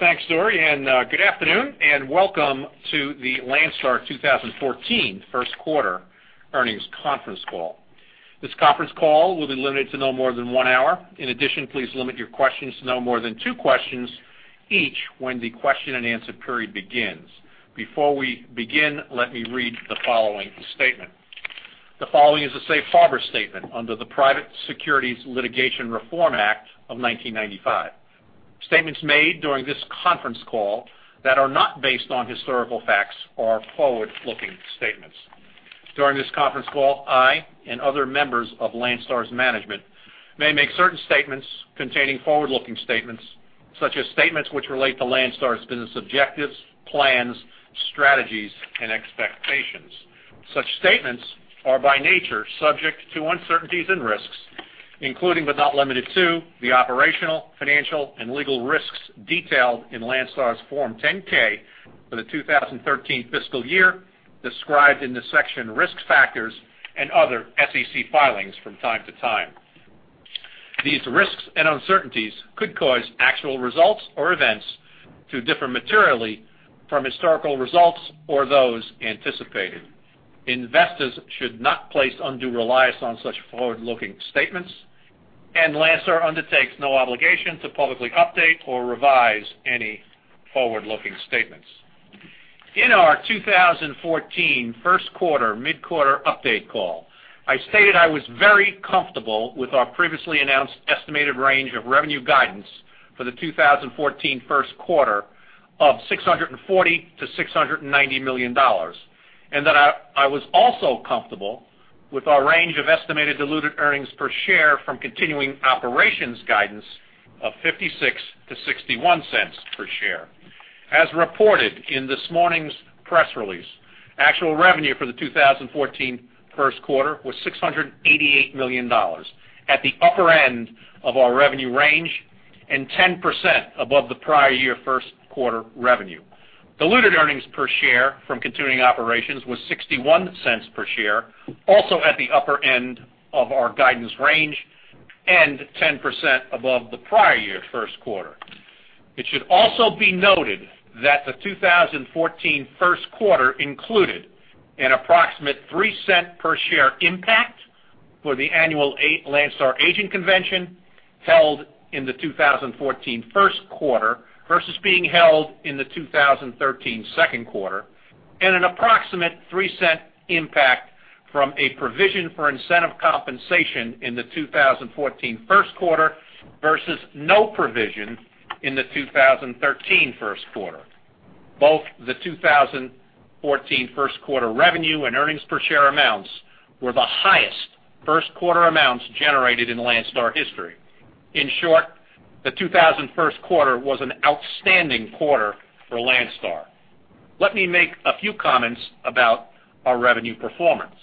Thanks, Dory, and good afternoon, and welcome to the Landstar 2014 First Quarter Earnings Conference Call. This conference call will be limited to no more than one hour. In addition, please limit your questions to no more than two questions each when the question-and-answer period begins. Before we begin, let me read the following statement. The following is a safe harbor statement under the Private Securities Litigation Reform Act of 1995. Statements made during this conference call that are not based on historical facts or forward-looking statements. During this conference call, I and other members of Landstar's management may make certain statements containing forward-looking statements, such as statements which relate to Landstar's business objectives, plans, strategies, and expectations. Such statements are, by nature, subject to uncertainties and risks, including, but not limited to, the operational, financial, and legal risks detailed in Landstar's Form 10-K for the 2013 fiscal year, described in the section Risk Factors and other SEC filings from time to time. These risks and uncertainties could cause actual results or events to differ materially from historical results or those anticipated. Investors should not place undue reliance on such forward-looking statements, and Landstar undertakes no obligation to publicly update or revise any forward-looking statements. In our 2014 first quarter mid-quarter update call, I stated I was very comfortable with our previously announced estimated range of revenue guidance for the 2014 first quarter of $640 million-$690 million, and that I was also comfortable with our range of estimated diluted earnings per share from continuing operations guidance of $0.56-$0.61 per share. As reported in this morning's press release, actual revenue for the 2014 first quarter was $688 million, at the upper end of our revenue range, and 10% above the prior year first quarter revenue. Diluted earnings per share from continuing operations was $0.61 per share, also at the upper end of our guidance range and 10% above the prior year first quarter. It should also be noted that the 2014 first quarter included an approximate $0.03 per share impact for the annual Landstar Agent Convention, held in the 2014 first quarter versus being held in the 2013 second quarter, and an approximate $0.03 impact from a provision for incentive compensation in the 2014 first quarter, versus no provision in the 2013 first quarter. Both the 2014 first quarter revenue and earnings per share amounts were the highest first quarter amounts generated in Landstar history. In short, the 2014 first quarter was an outstanding quarter for Landstar. Let me make a few comments about our revenue performance.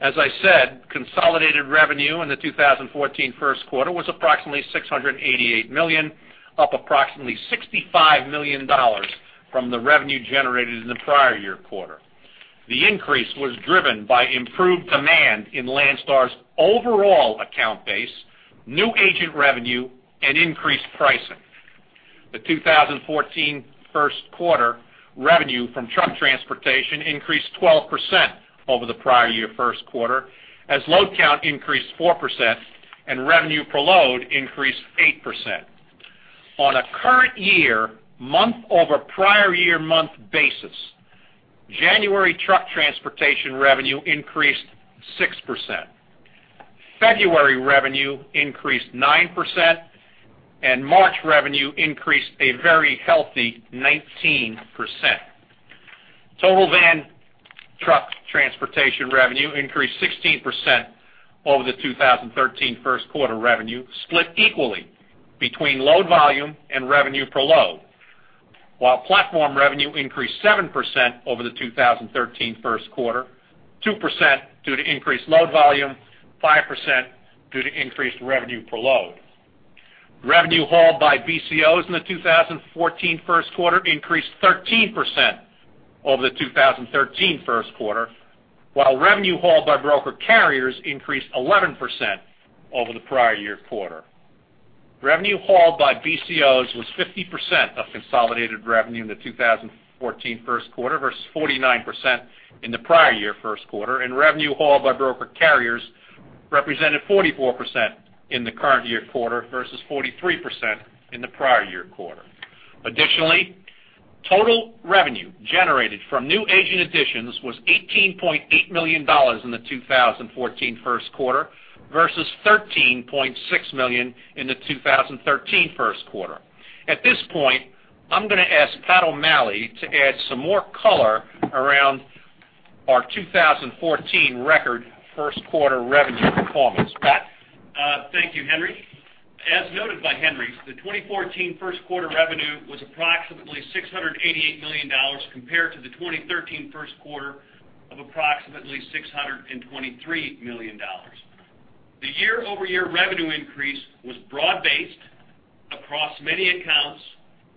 As I said, consolidated revenue in the 2014 first quarter was approximately $688 million, up approximately $65 million from the revenue generated in the prior year quarter. The increase was driven by improved demand in Landstar's overall account base, new agent revenue, and increased pricing. The 2014 first quarter revenue from truck transportation increased 12% over the prior year first quarter, as load count increased 4% and revenue per load increased 8%. On a current year, month over prior year, month basis, January truck transportation revenue increased 6%. February revenue increased 9%, and March revenue increased a very healthy 19%. Total van truck transportation revenue increased 16% over the 2013 first quarter revenue, split equally between load volume and revenue per load, while platform revenue increased 7% over the 2013 first quarter, 2% due to increased load volume, 5% due to increased revenue per load. Revenue hauled by BCOs in the 2014 first quarter increased 13% over the 2013 first quarter, while revenue hauled by broker carriers increased 11% over the prior year quarter. Revenue hauled by BCOs was 50% of consolidated revenue in the 2014 first quarter, versus 49% in the prior year first quarter, and revenue hauled by broker carriers represented 44% in the current year quarter versus 43% in the prior year quarter. Additionally, total revenue generated from new agent additions was $18.8 million in the 2014 first quarter versus $13.6 million in the 2013 first quarter. At this point, I'm gonna ask Pat O'Malley to add some more color around our 2014 record first quarter revenue performance. Pat? Thank you, Henry. As noted by Henry, the 2014 first quarter revenue was approximately $688 million, compared to the 2013 first quarter of approximately $623 million. The year-over-year revenue increase was broad-based across many accounts,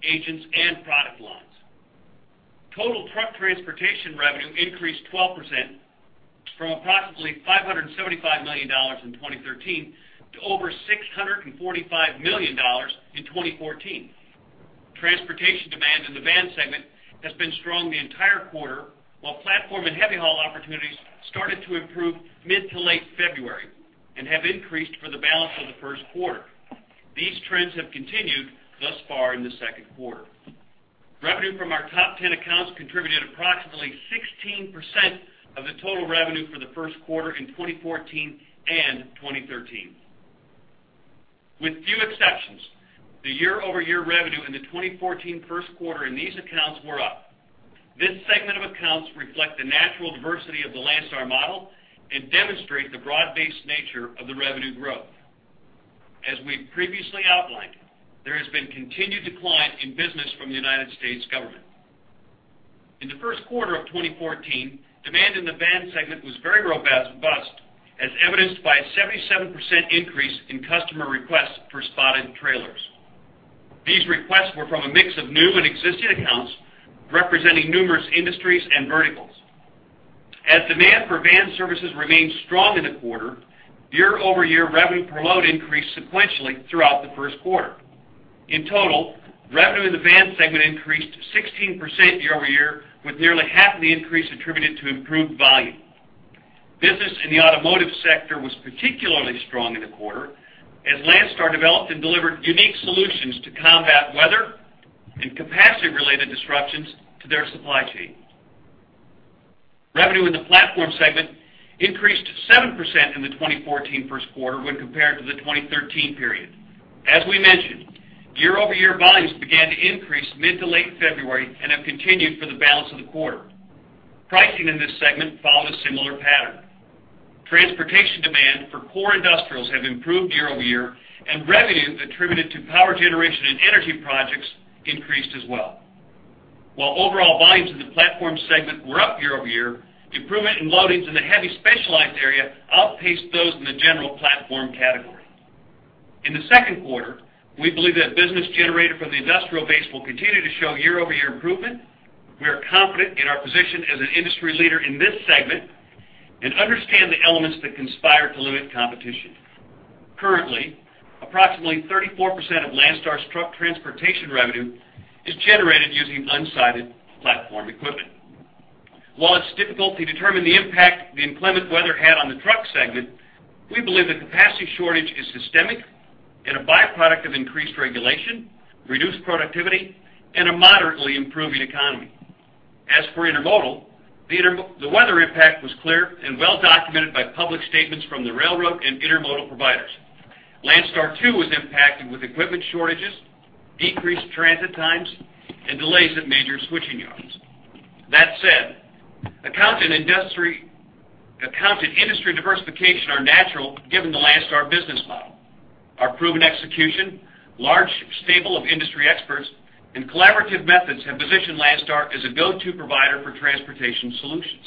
agents, and product lines....Total truck transportation revenue increased 12% from approximately $575 million in 2013 to over $645 million in 2014. Transportation demand in the van segment has been strong the entire quarter, while platform and heavy haul opportunities started to improve mid to late February and have increased for the balance of the first quarter. These trends have continued thus far in the second quarter. Revenue from our top 10 accounts contributed approximately 16% of the total revenue for the first quarter in 2014 and 2013. With few exceptions, the year-over-year revenue in the 2014 first quarter in these accounts were up. This segment of accounts reflect the natural diversity of the Landstar model and demonstrate the broad-based nature of the revenue growth. As we've previously outlined, there has been continued decline in business from the United States government. In the first quarter of 2014, demand in the van segment was very robust, as evidenced by a 77% increase in customer requests for spotted trailers. These requests were from a mix of new and existing accounts, representing numerous industries and verticals. As demand for van services remained strong in the quarter, year-over-year revenue per load increased sequentially throughout the first quarter. In total, revenue in the van segment increased 16% year-over-year, with nearly half of the increase attributed to improved volume. Business in the automotive sector was particularly strong in the quarter, as Landstar developed and delivered unique solutions to combat weather and capacity-related disruptions to their supply chain. Revenue in the platform segment increased 7% in the 2014 first quarter when compared to the 2013 period. As we mentioned, year-over-year volumes began to increase mid to late February and have continued for the balance of the quarter. Pricing in this segment followed a similar pattern. Transportation demand for core industrials have improved year-over-year, and revenues attributed to power generation and energy projects increased as well. While overall volumes in the platform segment were up year-over-year, improvement in loadings in the heavy specialized area outpaced those in the general platform category. In the second quarter, we believe that business generated from the industrial base will continue to show year-over-year improvement. We are confident in our position as an industry leader in this segment and understand the elements that conspire to limit competition. Currently, approximately 34% of Landstar's truck transportation revenue is generated using unsided platform equipment. While it's difficult to determine the impact the inclement weather had on the truck segment, we believe the capacity shortage is systemic and a byproduct of increased regulation, reduced productivity, and a moderately improving economy. As for intermodal, the weather impact was clear and well documented by public statements from the railroad and intermodal providers. Landstar, too, was impacted with equipment shortages, decreased transit times, and delays at major switching yards. That said, account and industry diversification are natural, given the Landstar business model. Our proven execution, large stable of industry experts, and collaborative methods have positioned Landstar as a go-to provider for transportation solutions.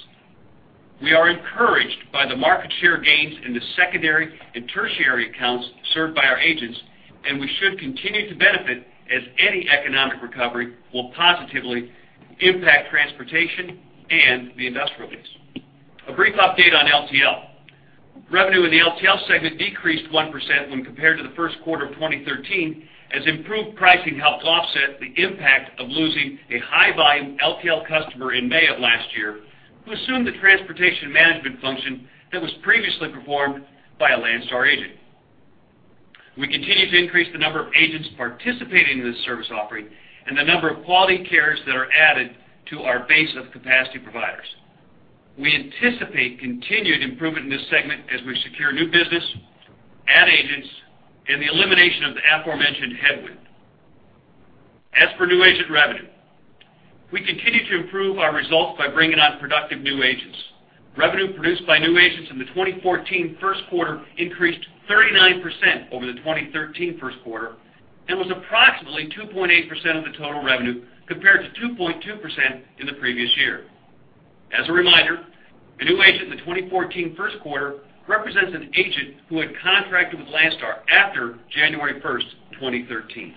We are encouraged by the market share gains in the secondary and tertiary accounts served by our agents, and we should continue to benefit as any economic recovery will positively impact transportation and the industrial base. A brief update on LTL. Revenue in the LTL segment decreased 1% when compared to the first quarter of 2013, as improved pricing helped offset the impact of losing a high-volume LTL customer in May of last year, who assumed the transportation management function that was previously performed by a Landstar agent. We continue to increase the number of agents participating in this service offering and the number of quality carriers that are added to our base of capacity providers. We anticipate continued improvement in this segment as we secure new business, add agents, and the elimination of the aforementioned headwind. As for new agent revenue, we continue to improve our results by bringing on productive new agents. Revenue produced by new agents in the 2014 first quarter increased 39% over the 2013 first quarter and was approximately 2.8% of the total revenue, compared to 2.2% in the previous year. As a reminder, a new agent in the 2014 first quarter represents an agent who had contracted with Landstar after January 1st, 2013.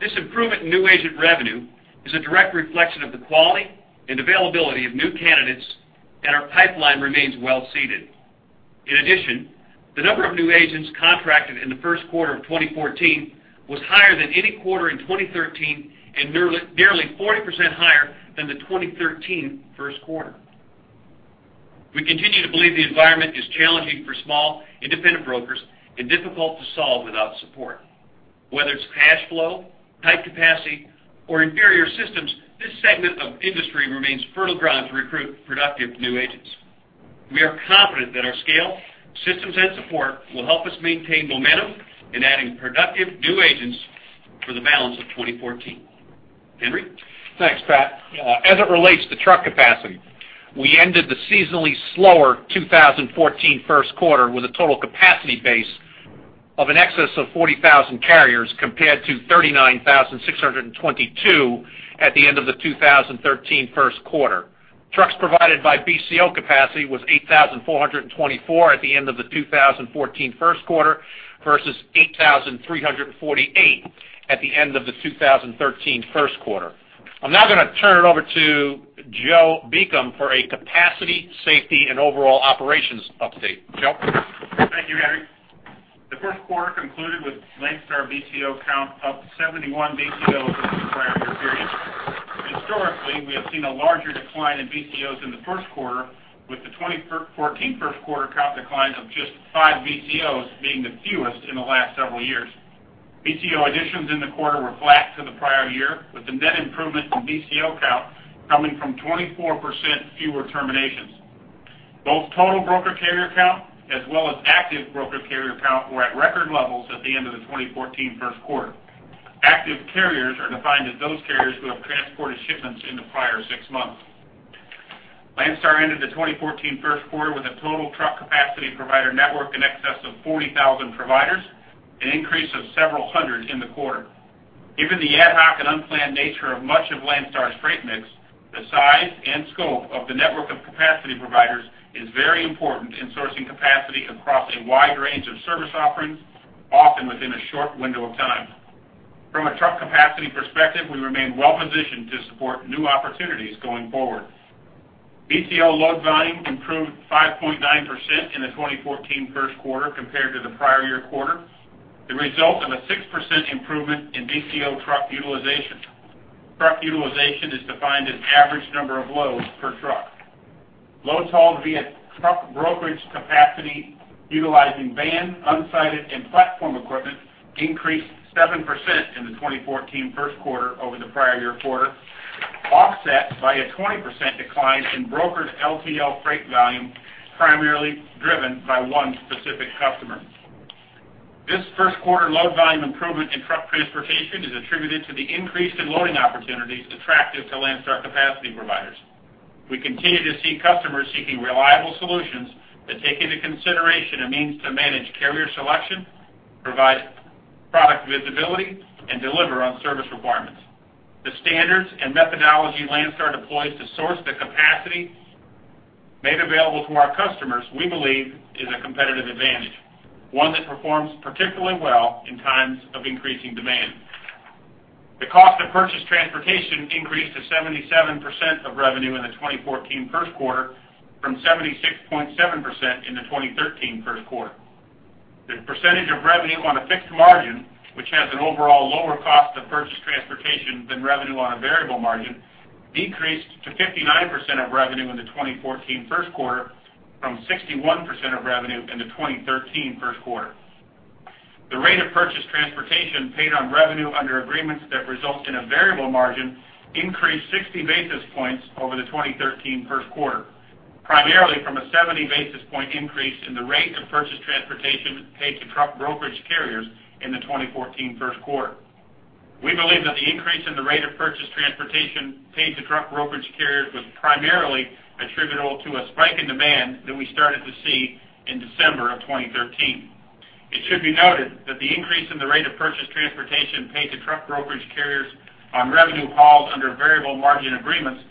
This improvement in new agent revenue is a direct reflection of the quality and availability of new candidates, and our pipeline remains well-seeded. In addition, the number of new agents contracted in the first quarter of 2014 was higher than any quarter in 2013 and nearly 40% higher than the 2013 first quarter. We continue to believe the environment is challenging for small, independent brokers and difficult to solve without support. Whether it's cash flow, tight capacity, or inferior systems, this segment of industry remains fertile ground to recruit productive new agents. We are confident that our scale, systems, and support will help us maintain momentum in adding productive new agents for the balance of 2014. Henry? Thanks, Pat. As it relates to truck capacity, we ended the seasonally slower 2014 first quarter with a total capacity base of an excess of 40,000 carriers, compared to 39,622 at the end of the 2013 first quarter. Trucks provided by BCO capacity was 8,424 at the end of the 2014 first quarter, versus 8,348 at the end of the 2013 first quarter. I'm now going to turn it over to Joe Beacom for a capacity, safety, and overall operations update. Joe? Thank you, Henry. The first quarter concluded with Landstar BCO count up 71 BCOs in the prior year period. Historically, we have seen a larger decline in BCOs in the first quarter, with the 2014 first quarter count decline of just five BCOs being the fewest in the last several years. BCO additions in the quarter were flat to the prior year, with the net improvement in BCO count coming from 24% fewer terminations. Both total broker carrier count, as well as active broker carrier count, were at record levels at the end of the 2014 first quarter. Active carriers are defined as those carriers who have transported shipments in the prior six months. Landstar ended the 2014 first quarter with a total truck capacity provider network in excess of 40,000 providers, an increase of several hundred in the quarter. Given the ad hoc and unplanned nature of much of Landstar's freight mix, the size and scope of the network of capacity providers is very important in sourcing capacity across a wide range of service offerings, often within a short window of time. From a truck capacity perspective, we remain well positioned to support new opportunities going forward. BCO load volume improved 5.9% in the 2014 first quarter compared to the prior year quarter, the result of a 6% improvement in BCO truck utilization. Truck utilization is defined as average number of loads per truck. Loads hauled via truck brokerage capacity utilizing van, unsided, and platform equipment increased 7% in the 2014 first quarter over the prior year quarter, offset by a 20% decline in brokered LTL freight volume, primarily driven by one specific customer. This first quarter load volume improvement in truck transportation is attributed to the increase in loading opportunities attractive to Landstar capacity providers. We continue to see customers seeking reliable solutions that take into consideration a means to manage carrier selection, provide product visibility, and deliver on service requirements. The standards and methodology Landstar deploys to source the capacity made available to our customers, we believe, is a competitive advantage, one that performs particularly well in times of increasing demand. The cost of purchased transportation increased to 77% of revenue in the 2014 first quarter from 76.7% in the 2013 first quarter. The percentage of revenue on a fixed margin, which has an overall lower cost of purchased transportation than revenue on a variable margin, decreased to 59% of revenue in the 2014 first quarter from 61% of revenue in the 2013 first quarter. The rate of purchased transportation paid on revenue under agreements that result in a variable margin increased 60 basis points over the 2013 first quarter, primarily from a 70 basis point increase in the rate of purchased transportation paid to truck brokerage carriers in the 2014 first quarter. We believe that the increase in the rate of purchased transportation paid to truck brokerage carriers was primarily attributable to a spike in demand that we started to see in December of 2013. It should be noted that the increase in the rate of purchased transportation paid to truck brokerage carriers on revenue hauled under variable margin agreements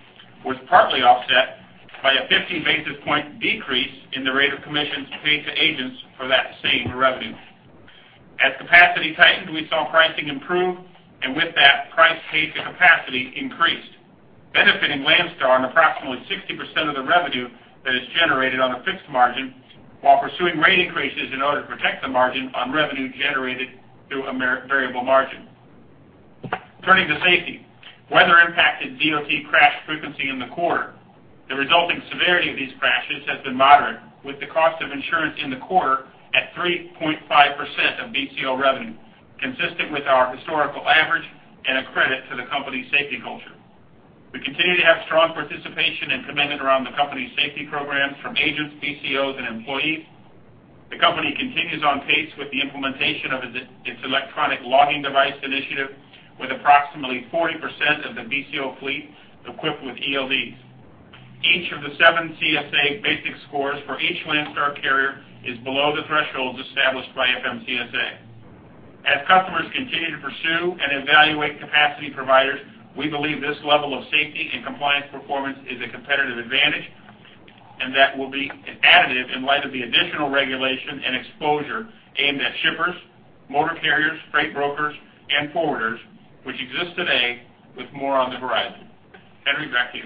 was partly offset by a 50 basis point decrease in the rate of commissions paid to agents for that same revenue. As capacity tightened, we saw pricing improve, and with that, price paid to capacity increased, benefiting Landstar on approximately 60% of the revenue that is generated on a fixed margin, while pursuing rate increases in order to protect the margin on revenue generated through a variable margin. Turning to safety, weather impacted DOT crash frequency in the quarter. The resulting severity of these crashes has been moderate, with the cost of insurance in the quarter at 3.5% of BCO revenue, consistent with our historical average and a credit to the company's safety culture. We continue to have strong participation and commitment around the company's safety programs from agents, BCOs, and employees. The company continues on pace with the implementation of its electronic logging device initiative, with approximately 40% of the BCO fleet equipped with ELDs. Each of the seven CSA basic scores for each Landstar carrier is below the thresholds established by FMCSA. As customers continue to pursue and evaluate capacity providers, we believe this level of safety and compliance performance is a competitive advantage, and that will be additive in light of the additional regulation and exposure aimed at shippers, motor carriers, freight brokers, and forwarders, which exist today with more on the horizon. Henry, back to you.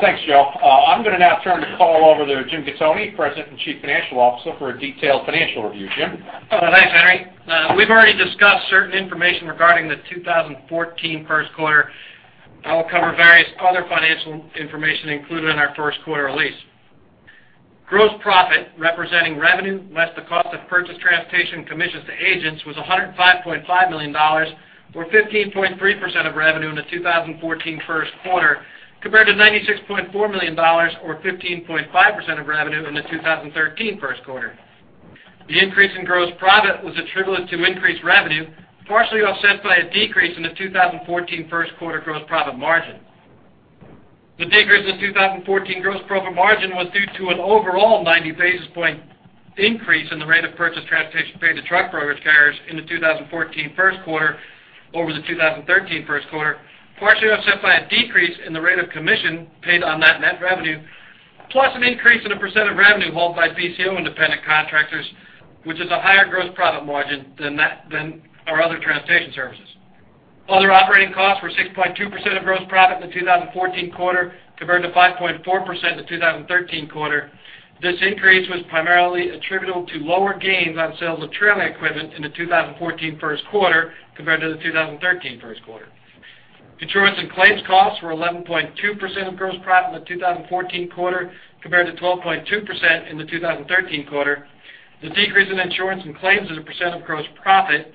Thanks, Joe. I'm going to now turn the call over to Jim Gattoni, President and Chief Financial Officer, for a detailed financial review. Jim? Thanks, Henry. We've already discussed certain information regarding the 2014 first quarter. I will cover various other financial information included in our first quarter release. Gross profit, representing revenue less the cost of purchased transportation commissions to agents, was $105.5 million, or 15.3% of revenue in the 2014 first quarter, compared to $96.4 million, or 15.5% of revenue in the 2013 first quarter. The increase in gross profit was attributable to increased revenue, partially offset by a decrease in the 2014 first quarter gross profit margin. The decrease in the 2014 gross profit margin was due to an overall 90 basis point-... increase in the rate of purchased transportation paid to truck brokerage carriers in the 2014 first quarter over the 2013 first quarter, partially offset by a decrease in the rate of commission paid on that net revenue, plus an increase in the percent of revenue held by BCO independent contractors, which is a higher gross profit margin than that than our other transportation services. Other operating costs were 6.2% of gross profit in the 2014 quarter, compared to 5.4% in the 2013 quarter. This increase was primarily attributable to lower gains on sales of trailer equipment in the 2014 first quarter compared to the 2013 first quarter. Insurance and claims costs were 11.2% of gross profit in the 2014 quarter, compared to 12.2% in the 2013 quarter. The decrease in insurance and claims as a percent of gross profit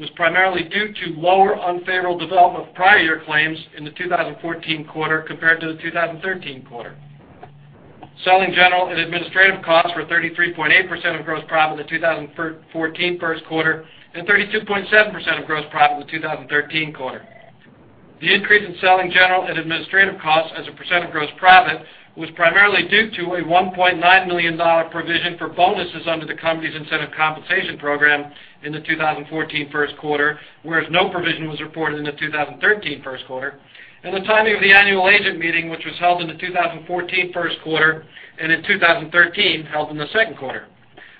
was primarily due to lower unfavorable development of prior year claims in the 2014 quarter compared to the 2013 quarter. Selling, general, and administrative costs were 33.8% of gross profit in the 2014 first quarter, and 32.7% of gross profit in the 2013 quarter. The increase in selling, general, and administrative costs as a % of gross profit was primarily due to a $1.9 million dollar provision for bonuses under the company's incentive compensation program in the 2014 first quarter, whereas no provision was reported in the 2013 first quarter, and the timing of the annual agent meeting, which was held in the 2014 first quarter, and in 2013, held in the second quarter.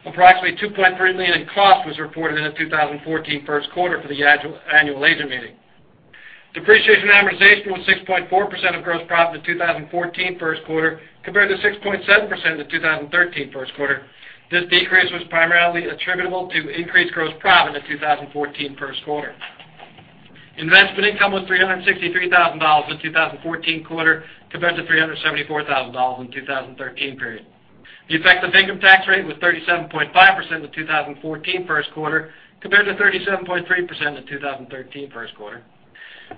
Approximately $2.3 million in cost was reported in the 2014 first quarter for the annual agent meeting. Depreciation and amortization was 6.4% of gross profit in the 2014 first quarter, compared to 6.7% in the 2013 first quarter. This decrease was primarily attributable to increased gross profit in the 2014 first quarter. Investment income was $363 thousand in the 2014 quarter, compared to $374 thousand in the 2013 period. The effective income tax rate was 37.5% in the 2014 first quarter, compared to 37.3% in the 2013 first quarter.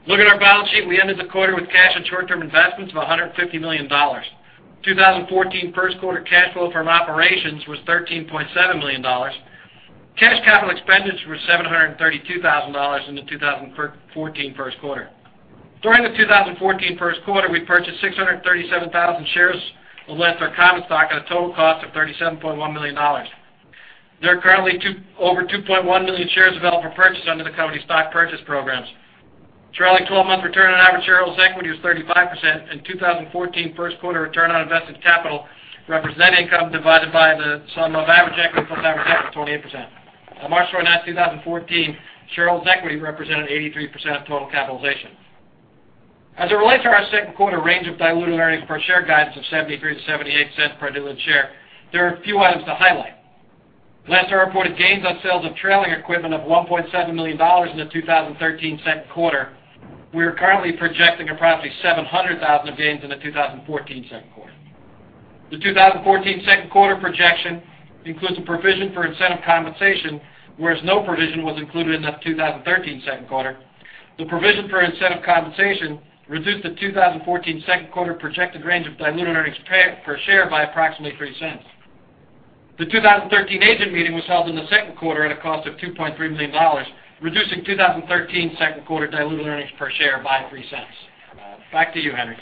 Looking at our balance sheet, we ended the quarter with cash and short-term investments of $150 million. 2014 first quarter cash flow from operations was $13.7 million. Cash capital expenditures were $732 thousand in the 2014 first quarter. During the 2014 first quarter, we purchased 637,000 shares of Landstar common stock at a total cost of $37.1 million. There are currently over 2.1 million shares available for purchase under the company's stock purchase programs. Trailing twelve-month return on average shareholders' equity was 35%, and 2014 first quarter return on invested capital, representing income divided by the sum of average equity plus average equity, 28%. On March 31, 2014, shareholders' equity represented 83% of total capitalization. As it relates to our second quarter range of diluted earnings per share guidance of $0.73-$0.78 per diluted share, there are a few items to highlight. Landstar reported gains on sales of trailing equipment of $1.7 million in the 2013 second quarter. We are currently projecting approximately $700,000 of gains in the 2014 second quarter. The 2014 second quarter projection includes a provision for incentive compensation, whereas no provision was included in the 2013 second quarter. The provision for incentive compensation reduced the 2014 second quarter projected range of diluted earnings per share by approximately $0.03. The 2013 agent meeting was held in the second quarter at a cost of $2.3 million, reducing 2013 second quarter diluted earnings per share by $0.03. Back to you, Henry.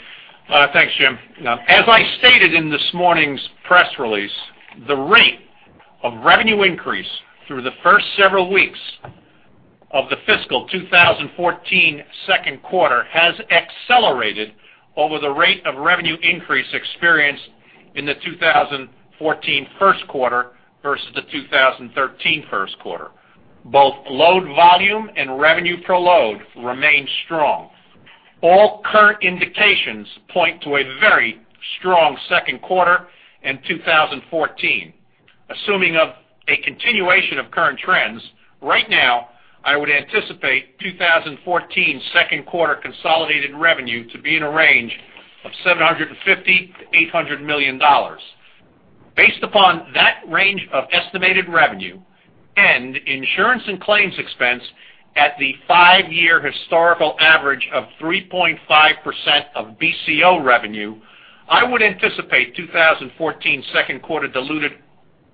Thanks, Jim. Now, as I stated in this morning's press release, the rate of revenue increase through the first several weeks of the fiscal 2014 second quarter has accelerated over the rate of revenue increase experienced in the 2014 first quarter versus the 2013 first quarter. Both load volume and revenue per load remain strong. All current indications point to a very strong second quarter in 2014. Assuming a continuation of current trends, right now, I would anticipate 2014 second quarter consolidated revenue to be in a range of $750 million-$800 million. Based upon that range of estimated revenue and insurance and claims expense at the five-year historical average of 3.5% of BCO revenue, I would anticipate 2014 second quarter diluted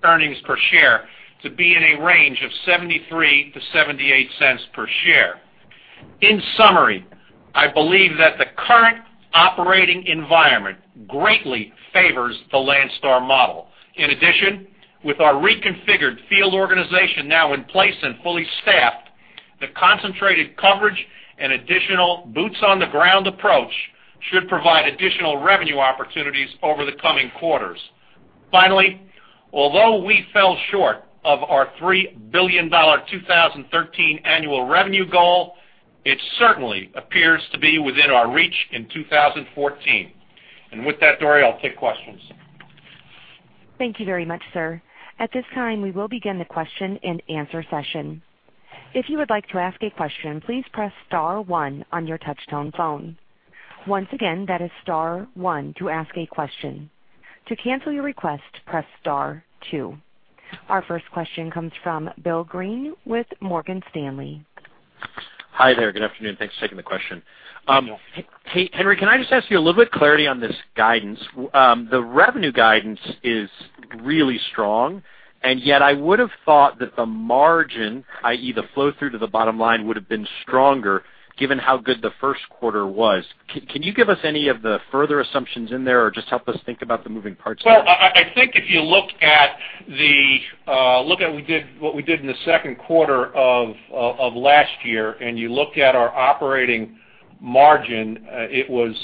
earnings per share to be in a range of $0.73-$0.78 per share. In summary, I believe that the current operating environment greatly favors the Landstar model. In addition, with our reconfigured field organization now in place and fully staffed, the concentrated coverage and additional boots on the ground approach should provide additional revenue opportunities over the coming quarters. Finally, although we fell short of our $3 billion 2013 annual revenue goal, it certainly appears to be within our reach in 2014. And with that, Dory, I'll take questions. Thank you very much, sir. At this time, we will begin the question and answer session. If you would like to ask a question, please press star one on your touchtone phone. Once again, that is star one to ask a question. To cancel your request, press star two. Our first question comes from Bill Greene with Morgan Stanley. Hi there. Good afternoon. Thanks for taking the question. Hey, Henry, can I just ask you a little bit of clarity on this guidance? The revenue guidance is- ...really strong, and yet I would have thought that the margin, i.e., the flow through to the bottom line, would have been stronger, given how good the first quarter was. Can you give us any of the further assumptions in there or just help us think about the moving parts? Well, I think if you look at what we did in the second quarter of last year, and you looked at our operating margin, it was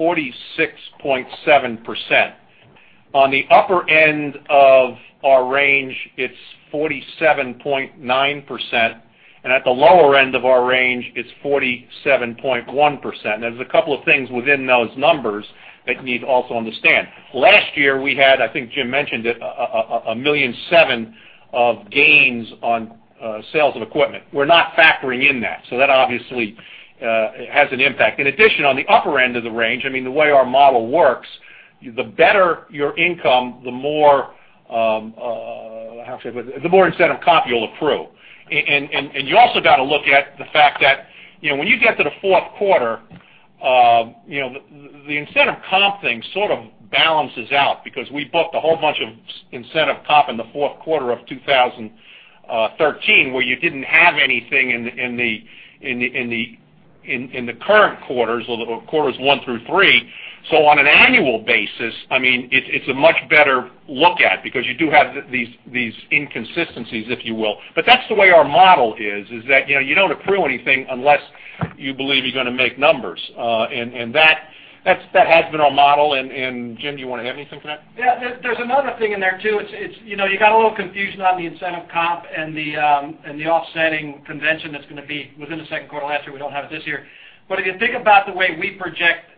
46.7%. On the upper end of our range, it's 47.9%, and at the lower end of our range, it's 47.1%. There's a couple of things within those numbers that you need to also understand. Last year, we had, I think Jim mentioned it, $1.7 million of gains on sales of equipment. We're not factoring in that, so that obviously has an impact. In addition, on the upper end of the range, I mean, the way our model works, the better your income, the more, how should I put it? The more incentive comp you'll approve. And you also got to look at the fact that, you know, when you get to the fourth quarter, you know, the incentive comp thing sort of balances out because we booked a whole bunch of incentive comp in the fourth quarter of 2013, where you didn't have anything in the current quarters, or quarters one through three. So on an annual basis, I mean, it's a much better look at because you do have these inconsistencies, if you will. But that's the way our model is, that, you know, you don't approve anything unless you believe you're gonna make numbers. And that has been our model. And, Jim, do you want to add anything to that? Yeah, there's another thing in there, too. It's you know, you got a little confusion on the incentive comp and the offsetting convention that's gonna be within the second quarter last year, we don't have it this year. But if you think about the way we project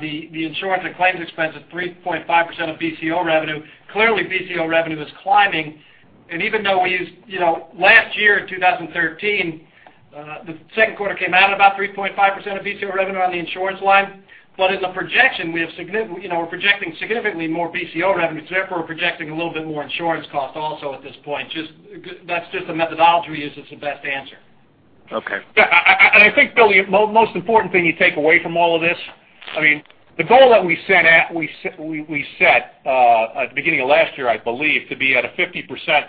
the insurance and claims expense of 3.5% of BCO revenue, clearly, BCO revenue is climbing. And even though we used... You know, last year, in 2013, the second quarter came out about 3.5% of BCO revenue on the insurance line. But in the projection, we have significant-- you know, we're projecting significantly more BCO revenue, so therefore, we're projecting a little bit more insurance cost also at this point. That's just the methodology we use. It's the best answer. Okay. Yeah. I think, Bill, the most important thing you take away from all of this, I mean, the goal that we set at the beginning of last year, I believe, to be at a 50%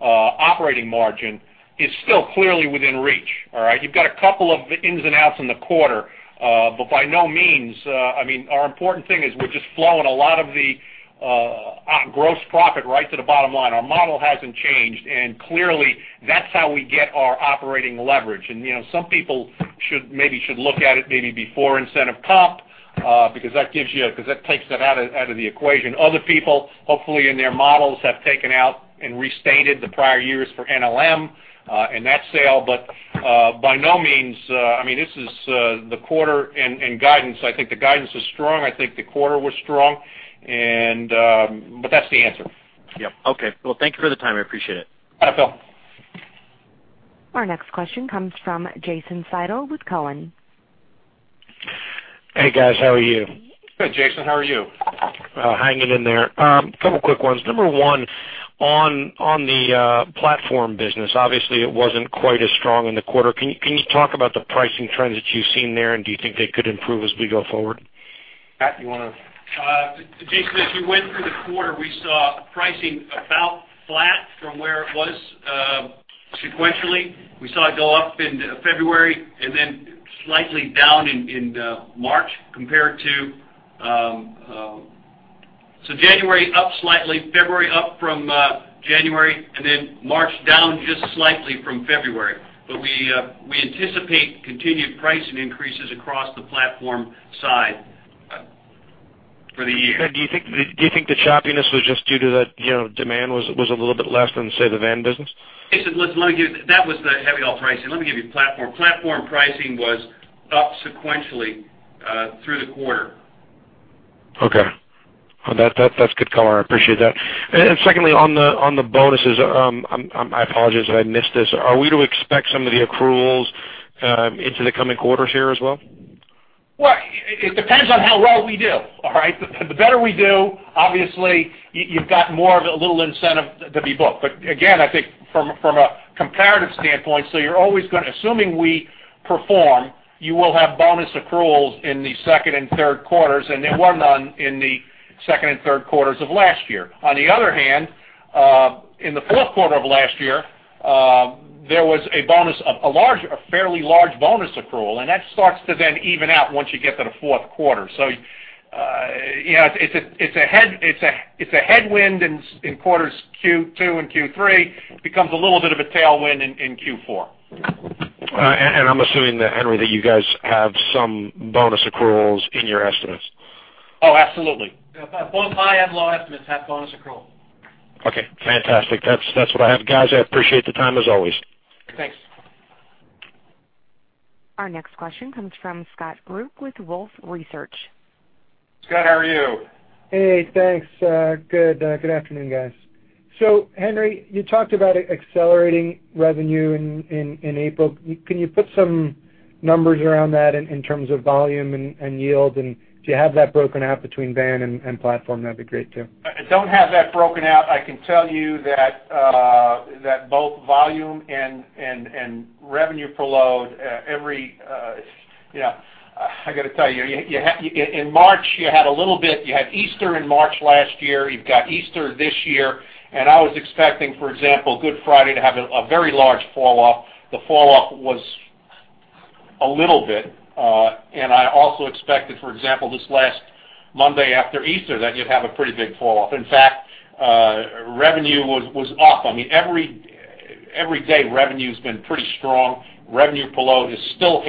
operating margin, is still clearly within reach. All right? You've got a couple of ins and outs in the quarter, but by no means, I mean, our important thing is we're just flowing a lot of the gross profit right to the bottom line. Our model hasn't changed, and clearly, that's how we get our operating leverage. And, you know, some people should, maybe should look at it maybe before incentive comp, because that gives you, because that takes that out of the equation. Other people, hopefully, in their models, have taken out and restated the prior years for NLM, and that sale. But, by no means, I mean, this is, the quarter and guidance. I think the guidance is strong. I think the quarter was strong, and, but that's the answer. Yep. Okay. Well, thank you for the time. I appreciate it. Bye, Bill. Our next question comes from Jason Seidel with Cowen. Hey, guys, how are you? Hey, Jason. How are you? Hanging in there. A couple of quick ones. Number one, on the platform business, obviously, it wasn't quite as strong in the quarter. Can you talk about the pricing trends that you've seen there, and do you think they could improve as we go forward? Pat, you wanna? Jason, as we went through the quarter, we saw pricing about flat from where it was, sequentially. We saw it go up in February and then slightly down in March, compared to. So January, up slightly, February, up from January, and then March, down just slightly from February. But we, we anticipate continued pricing increases across the platform side for the year. Do you think the choppiness was just due to that, you know, demand was a little bit less than, say, the van business? Jason, let me give you that. That was the heavy haul pricing. Let me give you platform. Platform pricing was up sequentially through the quarter. Okay. Well, that's good color. I appreciate that. And secondly, on the bonuses, I apologize if I missed this. Are we to expect some of the accruals into the coming quarters here as well? Well, it depends on how well we do, all right? The better we do, obviously, you've got more of a little incentive to be booked. But again, I think from a comparative standpoint, so you're always gonna assuming we perform, you will have bonus accruals in the second and third quarters, and there were none in the second and third quarters of last year. On the other hand, in the fourth quarter of last year, there was a bonus, a large, a fairly large bonus accrual, and that starts to then even out once you get to the fourth quarter. So, you know, it's a headwind in quarters Q2 and Q3, becomes a little bit of a tailwind in Q4. I'm assuming that, Henry, that you guys have some bonus accruals in your estimates. Oh, absolutely. Yeah, both high and low estimates have bonus accrual. Okay, fantastic. That's, that's what I have. Guys, I appreciate the time as always. Thanks. Our next question comes from Scott Group with Wolfe Research. Scott, how are you? Hey, thanks. Good afternoon, guys. So Henry, you talked about accelerating revenue in April. Can you put some numbers around that in terms of volume and yield? And do you have that broken out between van and platform? That'd be great too. I don't have that broken out. I can tell you that both volume and revenue per load, you know, I gotta tell you, you had in March, you had a little bit, you had Easter in March last year, you've got Easter this year, and I was expecting, for example, Good Friday to have a very large falloff. The falloff was a little bit. I also expected, for example, this last Monday after Easter, that you'd have a pretty big falloff. In fact, revenue was up. I mean, every day, revenue's been pretty strong. Revenue per load is still.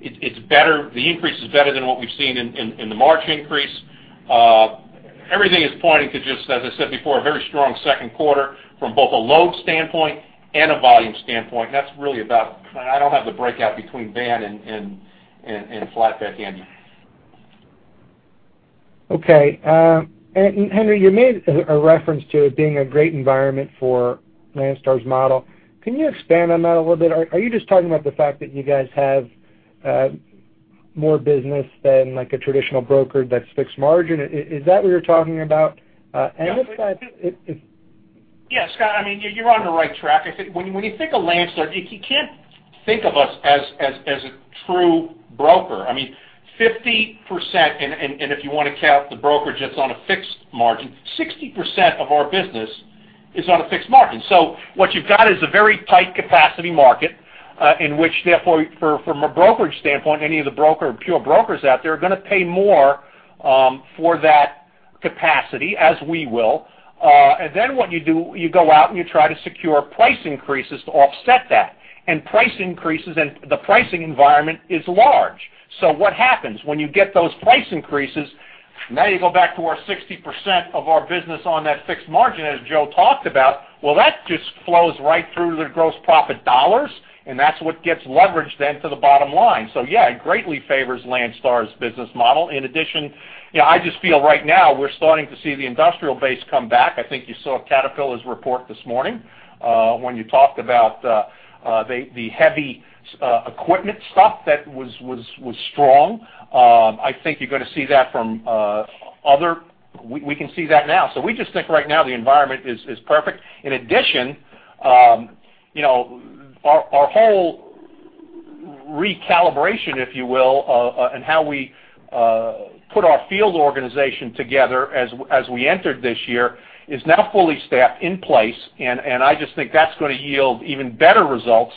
It's better, the increase is better than what we've seen in the March increase. Everything is pointing to, just as I said before, a very strong second quarter from both a load standpoint and a volume standpoint. That's really about... I don't have the breakout between van and flatbed handy. Okay, and Henry, you made a reference to it being a great environment for Landstar's model. Can you expand on that a little bit? Are you just talking about the fact that you guys have more business than, like, a traditional broker that's fixed margin? Is that what you're talking about? And if I- Yeah, Scott, I mean, you're on the right track. I think when you think of Landstar, you can't think of us as a true broker. I mean, 50%, and if you want to count the brokerage that's on a fixed margin, 60% of our business is on a fixed margin. So what you've got is a very tight capacity market, in which therefore, from a brokerage standpoint, any of the pure brokers out there are gonna pay more for that capacity, as we will. And then what you do, you go out and you try to secure price increases to offset that. And price increases and the pricing environment is large. So what happens when you get those price increases? Now you go back to our 60% of our business on that fixed margin, as Joe talked about. Well, that just flows right through to the gross profit dollars, and that's what gets leveraged then to the bottom line. So yeah, it greatly favors Landstar's business model. In addition, you know, I just feel right now we're starting to see the industrial base come back. I think you saw Caterpillar's report this morning, when you talked about the heavy equipment stuff that was strong. I think you're gonna see that from other. We can see that now. So we just think right now the environment is perfect. In addition, you know, our whole recalibration, if you will, and how we put our field organization together as we entered this year, is now fully staffed in place, and I just think that's gonna yield even better results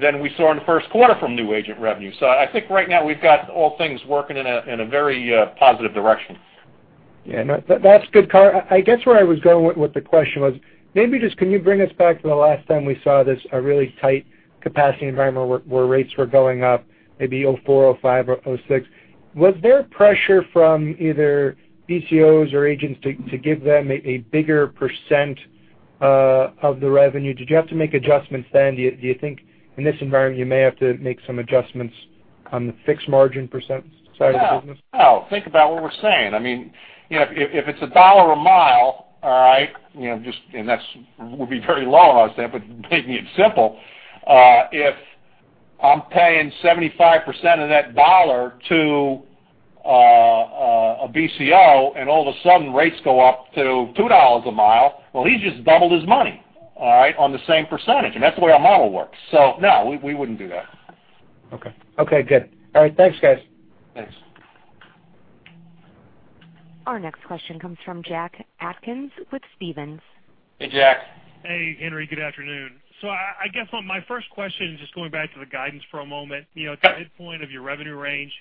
than we saw in the first quarter from new agent revenue. So I think right now we've got all things working in a very positive direction. Yeah, no, that's good, Carl. I guess where I was going with, with the question was maybe just can you bring us back to the last time we saw this, a really tight capacity environment where, where rates were going up, maybe 2004, 2005 or 2006? Was there pressure from either BCOs or agents to, to give them a, a bigger percent of the revenue? Did you have to make adjustments then? Do you, do you think in this environment, you may have to make some adjustments on the fixed margin percent side of the business? No, no. Think about what we're saying. I mean, you know, if it's $1 a mile, all right, you know, just, and that would be very low, I would say, but making it simple. If I'm paying 75% of that dollar to a BCO, and all of a sudden rates go up to $2 a mile, well, he just doubled his money, all right, on the same percentage, and that's the way our model works. So no, we wouldn't do that. Okay. Okay, good. All right. Thanks, guys. Thanks. Our next question comes from Jack Atkins with Stephens. Hey, Jack. Hey, Henry, good afternoon. So I guess my first question, just going back to the guidance for a moment. You know, at the midpoint of your revenue range,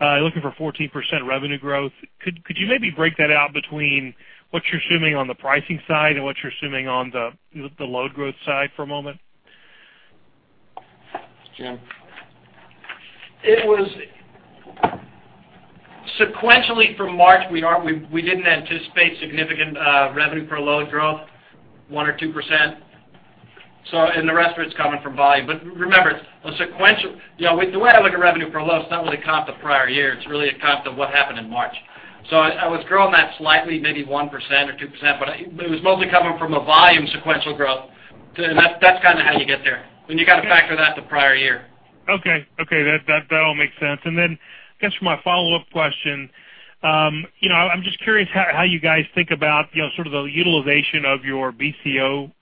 you're looking for 14% revenue growth. Could you maybe break that out between what you're assuming on the pricing side and what you're assuming on the load growth side for a moment? Jim? It was sequentially from March, we didn't anticipate significant revenue per load growth, 1% or 2%. So and the rest of it's coming from volume. But remember, on sequential, you know, with the way I look at revenue per load, it's not really a comp to the prior year, it's really a comp to what happened in March. So I was growing that slightly, maybe 1% or 2%, but it was mostly coming from a volume sequential growth. And that's kind of how you get there, and you got to factor that to prior year. Okay. Okay, that all makes sense. And then I guess for my follow-up question, you know, I'm just curious how you guys think about, you know, sort of the utilization of your BCO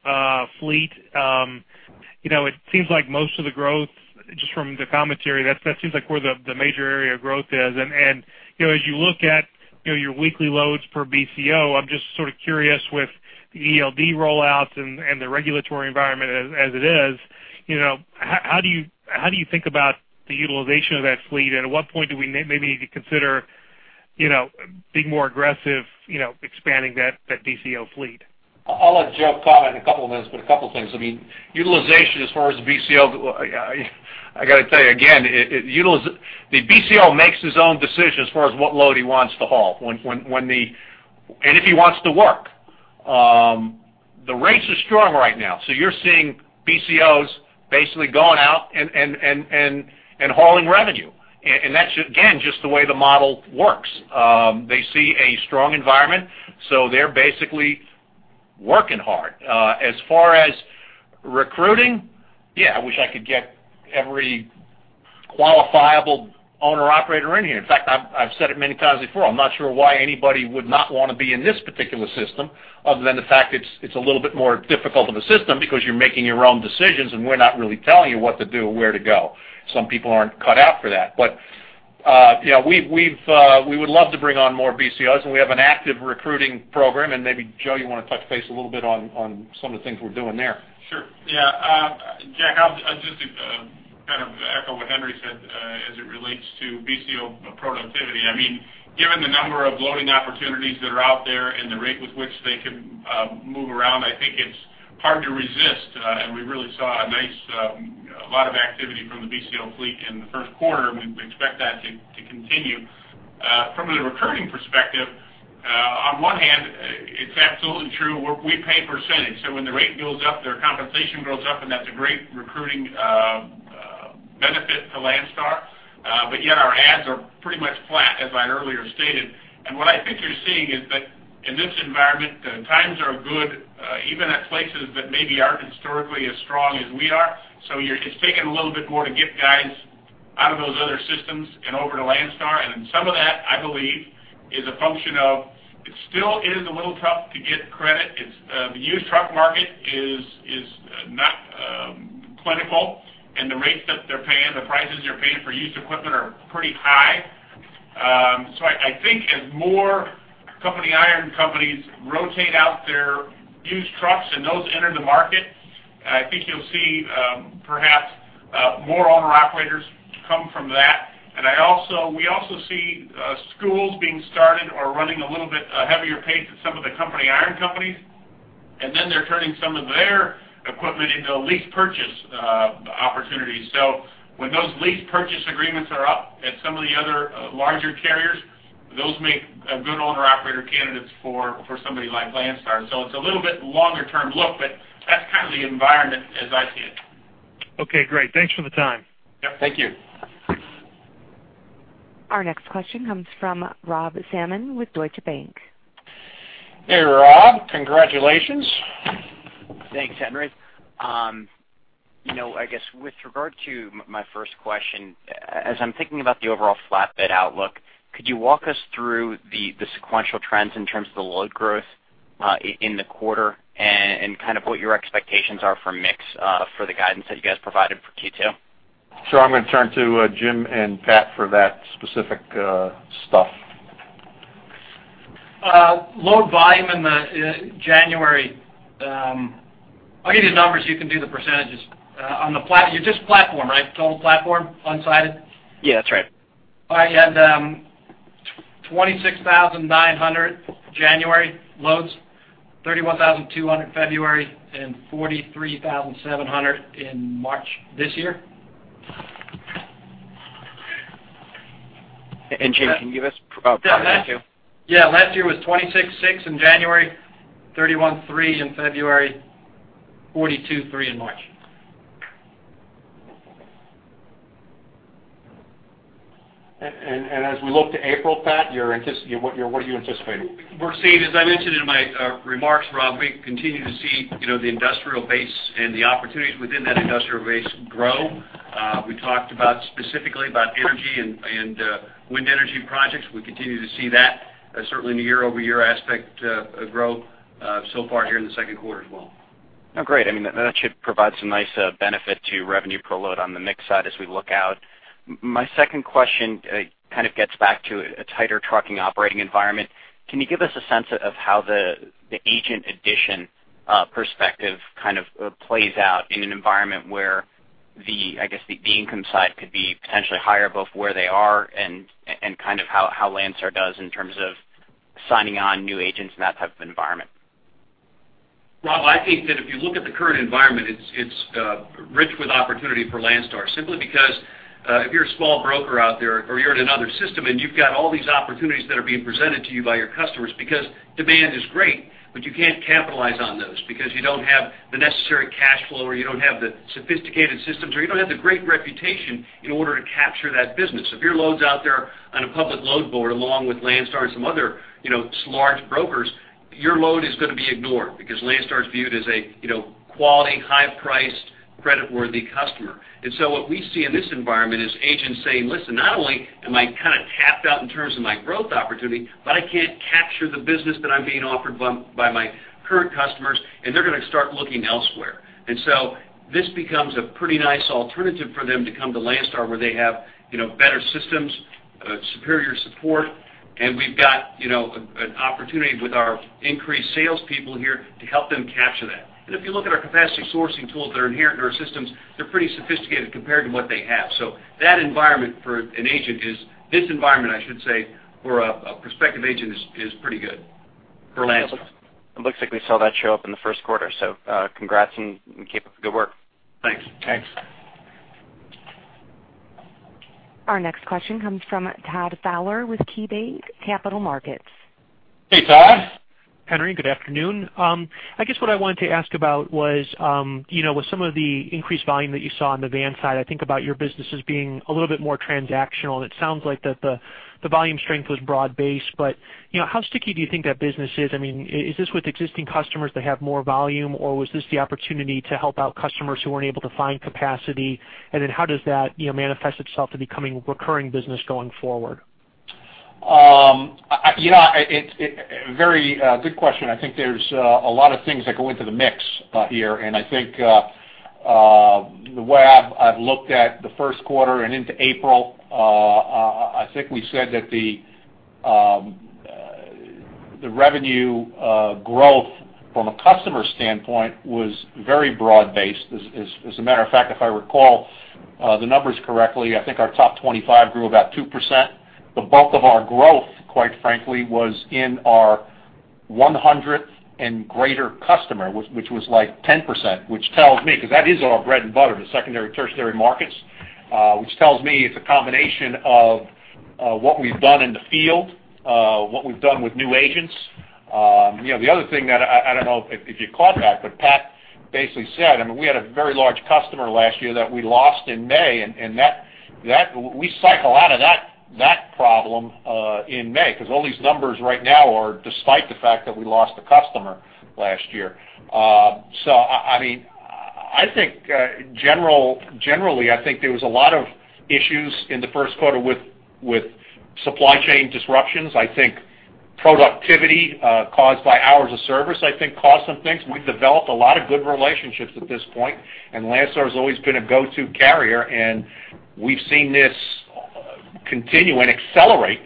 fleet. You know, it seems like most of the growth, just from the commentary, that seems like where the major area of growth is. And, you know, as you look at, you know, your weekly loads per BCO, I'm just sort of curious with the ELD rollouts and the regulatory environment as it is, you know, how do you think about the utilization of that fleet? And at what point do we maybe need to consider, you know, being more aggressive, you know, expanding that BCO fleet? I'll let Joe comment in a couple of minutes, but a couple of things. I mean, utilization as far as the BCO, I got to tell you again, the BCO makes his own decision as far as what load he wants to haul, when he wants to, and if he wants to work. The rates are strong right now, so you're seeing BCOs basically going out and hauling revenue. And that's, again, just the way the model works. They see a strong environment, so they're basically working hard. As far as recruiting, yeah, I wish I could get every qualifiable owner-operator in here. In fact, I've said it many times before, I'm not sure why anybody would not want to be in this particular system, other than the fact it's a little bit more difficult of a system because you're making your own decisions, and we're not really telling you what to do or where to go. Some people aren't cut out for that. But, yeah, we would love to bring on more BCOs, and we have an active recruiting program. And maybe, Joe, you want to touch base a little bit on, on some of the things we're doing there? Sure. Yeah, Jack, I'll just kind of echo what Henry said as it relates to BCO productivity. I mean, given the number of loading opportunities that are out there and the rate with which they can move around, I think it's hard to resist, and we really saw a nice lot of activity from the BCO fleet in the first quarter, and we expect that to continue. From a recruiting perspective, on one hand, it's absolutely true, we pay percentage, so when the rate goes up, their compensation goes up, and that's a great recruiting benefit to Landstar. But yet our ads are pretty much flat, as I earlier stated. And what I think you're seeing is that in this environment, the times are good, even at places that maybe aren't historically as strong as we are. So it's taking a little bit more to get guys out of those other systems and over to Landstar. And some of that, I believe, is a function of it still is a little tough to get credit. It's the used truck market is not plentiful, and the rates that they're paying, the prices they're paying for used equipment are pretty high. So I think as more company iron companies rotate out their used trucks and those enter the market, I think you'll see perhaps more owner-operators come from that. And I also—we also see, schools being started or running a little bit heavier pace at some of the company-owned companies, and then they're turning some of their equipment into a lease purchase opportunity. So when those lease purchase agreements are up at some of the other larger carriers, those make good owner-operator candidates for somebody like Landstar. So it's a little bit longer-term look, but that's kind of the environment as I see it. Okay, great. Thanks for the time. Yep, thank you. Our next question comes from Rob Salmon with Deutsche Bank. Hey, Rob, congratulations. Thanks, Henry. You know, I guess, with regard to my first question, as I'm thinking about the overall flatbed outlook, could you walk us through the sequential trends in terms of the load growth, in the quarter and kind of what your expectations are for mix, for the guidance that you guys provided for Q2? So I'm going to turn to Jim and Pat for that specific stuff. Load volume in the January. I'll give you the numbers, you can do the percentages. On the just platform, right? Total platform, unsided? Yeah, that's right. All right. You had 26,900 January loads, 31,200 February, and 43,700 in March this year. And Jim, can you give us last year? Yeah, last year was 26.6 in January, 31.3 in February, 42.3 in March. As we look to April, Pat, what are you anticipating? We're seeing, as I mentioned in my remarks, Rob, we continue to see, you know, the industrial base and the opportunities within that industrial base grow. We talked about, specifically about energy and wind energy projects. We continue to see that, certainly in a year-over-year aspect, grow, so far here in the second quarter as well. Oh, great. I mean, that should provide some nice benefit to revenue per load on the mix side as we look out. My second question kind of gets back to a tighter trucking operating environment. Can you give us a sense of how the agent addition perspective kind of plays out in an environment where the, I guess, the income side could be potentially higher, both where they are and kind of how Landstar does in terms of signing on new agents in that type of environment? Rob, I think that if you look at the current environment, it's rich with opportunity for Landstar. Simply because, if you're a small broker out there or you're in another system, and you've got all these opportunities that are being presented to you by your customers, because demand is great, but you can't capitalize on those because you don't have the necessary cash flow, or you don't have the sophisticated systems, or you don't have the great reputation in order to capture that business. If your load's out there on a public load board, along with Landstar and some other, you know, large brokers, your load is going to be ignored because Landstar is viewed as a, you know, quality, high-priced, credit-worthy customer. And so what we see in this environment is agents saying, "Listen, not only am I kind of tapped out in terms of my growth opportunity, but I can't capture the business that I'm being offered by, by my current customers, and they're going to start looking elsewhere." And so this becomes a pretty nice alternative for them to come to Landstar, where they have, you know, better systems, superior support, and we've got, you know, an opportunity with our increased salespeople here to help them capture that. And if you look at our capacity sourcing tools that are inherent in our systems, they're pretty sophisticated compared to what they have. So that environment for an agent is, this environment, I should say, for a prospective agent is pretty good for Landstar. It looks like we saw that show up in the first quarter, so, congrats and keep up the good work. Thanks. Thanks. Our next question comes from Todd Fowler with KeyBanc Capital Markets. Hey, Todd. Henry, good afternoon. I guess what I wanted to ask about was, you know, with some of the increased volume that you saw on the van side, I think about your business as being a little bit more transactional. It sounds like the volume strength was broad-based, but, you know, how sticky do you think that business is? I mean, is this with existing customers that have more volume, or was this the opportunity to help out customers who weren't able to find capacity? And then how does that, you know, manifest itself to becoming recurring business going forward? Yeah, it's a very good question. I think there's a lot of things that go into the mix here, and I think the way I've looked at the first quarter and into April, I think we said that the revenue growth from a customer standpoint was very broad-based. As a matter of fact, if I recall the numbers correctly, I think our top 25 grew about 2%. The bulk of our growth, quite frankly, was in our 100th and greater customer, which was like 10%, which tells me, 'cause that is our bread and butter, the secondary, tertiary markets, which tells me it's a combination of what we've done in the field, what we've done with new agents. You know, the other thing that I don't know if you caught that, but Pat basically said, I mean, we had a very large customer last year that we lost in May, and that we cycle out of that problem in May, 'cause all these numbers right now are despite the fact that we lost a customer last year. So I mean, I think generally, I think there was a lot of issues in the first quarter with supply chain disruptions. I think productivity caused by hours of service, I think, caused some things. We've developed a lot of good relationships at this point, and Landstar has always been a go-to carrier, and we've seen this continue and accelerate,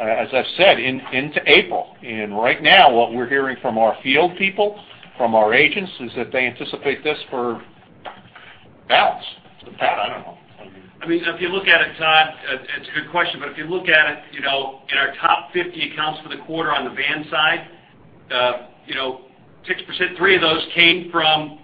as I've said, into April. Right now, what we're hearing from our field people, from our agents, is that they anticipate this for balance. Pat, I don't know. I mean, if you look at it, Todd, it's a good question, but if you look at it, you know, in our top 50 accounts for the quarter on the van side, you know, 60%, 3 of those came from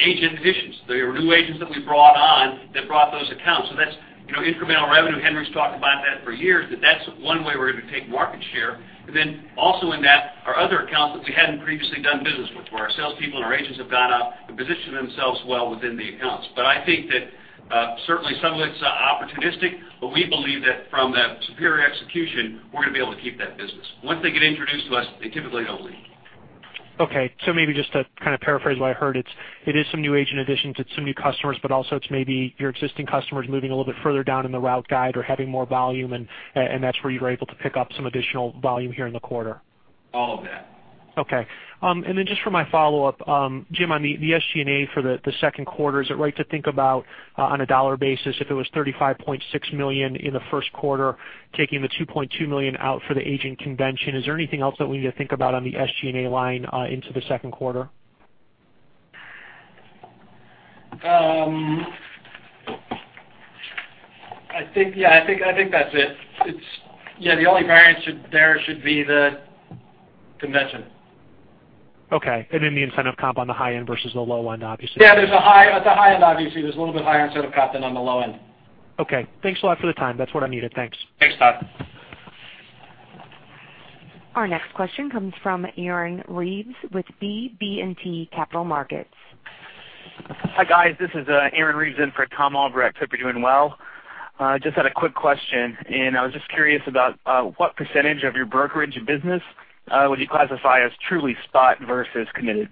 agent positions. They were new agents that we brought on that brought those accounts. So that's, you know, incremental revenue. Henry's talked about that for years, that that's one way we're going to take market share. And then also in that, our other accounts that we hadn't previously done business with, where our salespeople and our agents have gone out and positioned themselves well within the accounts. But I think that, certainly some of it's opportunistic, but we believe that from the superior execution, we're going to be able to keep that business. Once they get introduced to us, they typically don't leave. Okay, so maybe just to kind of paraphrase what I heard, it's, it is some new agent additions, it's some new customers, but also it's maybe your existing customers moving a little bit further down in the route guide or having more volume, and that's where you were able to pick up some additional volume here in the quarter. All of that. Okay. And then just for my follow-up, Jim, on the SG&A for the second quarter, is it right to think about on a dollar basis, if it was $35.6 million in the first quarter, taking the $2.2 million out for the agent convention? Is there anything else that we need to think about on the SG&A line into the second quarter? I think, yeah, I think, I think that's it. It's... Yeah, the only variance should, there should be the convention. Okay. And then the incentive comp on the high end versus the low end, obviously. Yeah, at the high end, obviously, there's a little bit higher incentive comp than on the low end. Okay. Thanks a lot for the time. That's what I needed. Thanks. Thanks, Todd. Our next question comes from Aaron Reeves with BB&T Capital Markets. Hi, guys. This is Aaron Reeves in for Tom Albrecht. Hope you're doing well. Just had a quick question, and I was just curious about what percentage of your brokerage business would you classify as truly spot versus committed?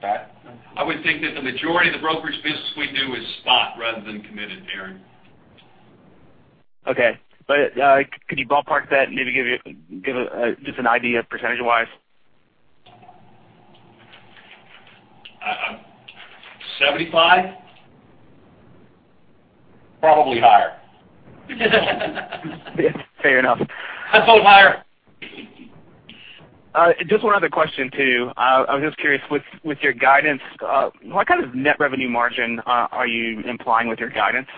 Pat? I would think that the majority of the brokerage business we do is spot rather than committed, Aaron. Okay. But could you ballpark that and maybe give just an idea percentage-wise? 75? Probably higher. Fair enough. I vote higher. Just one other question, too. I was just curious, with your guidance, what kind of net revenue margin are you implying with your guidance?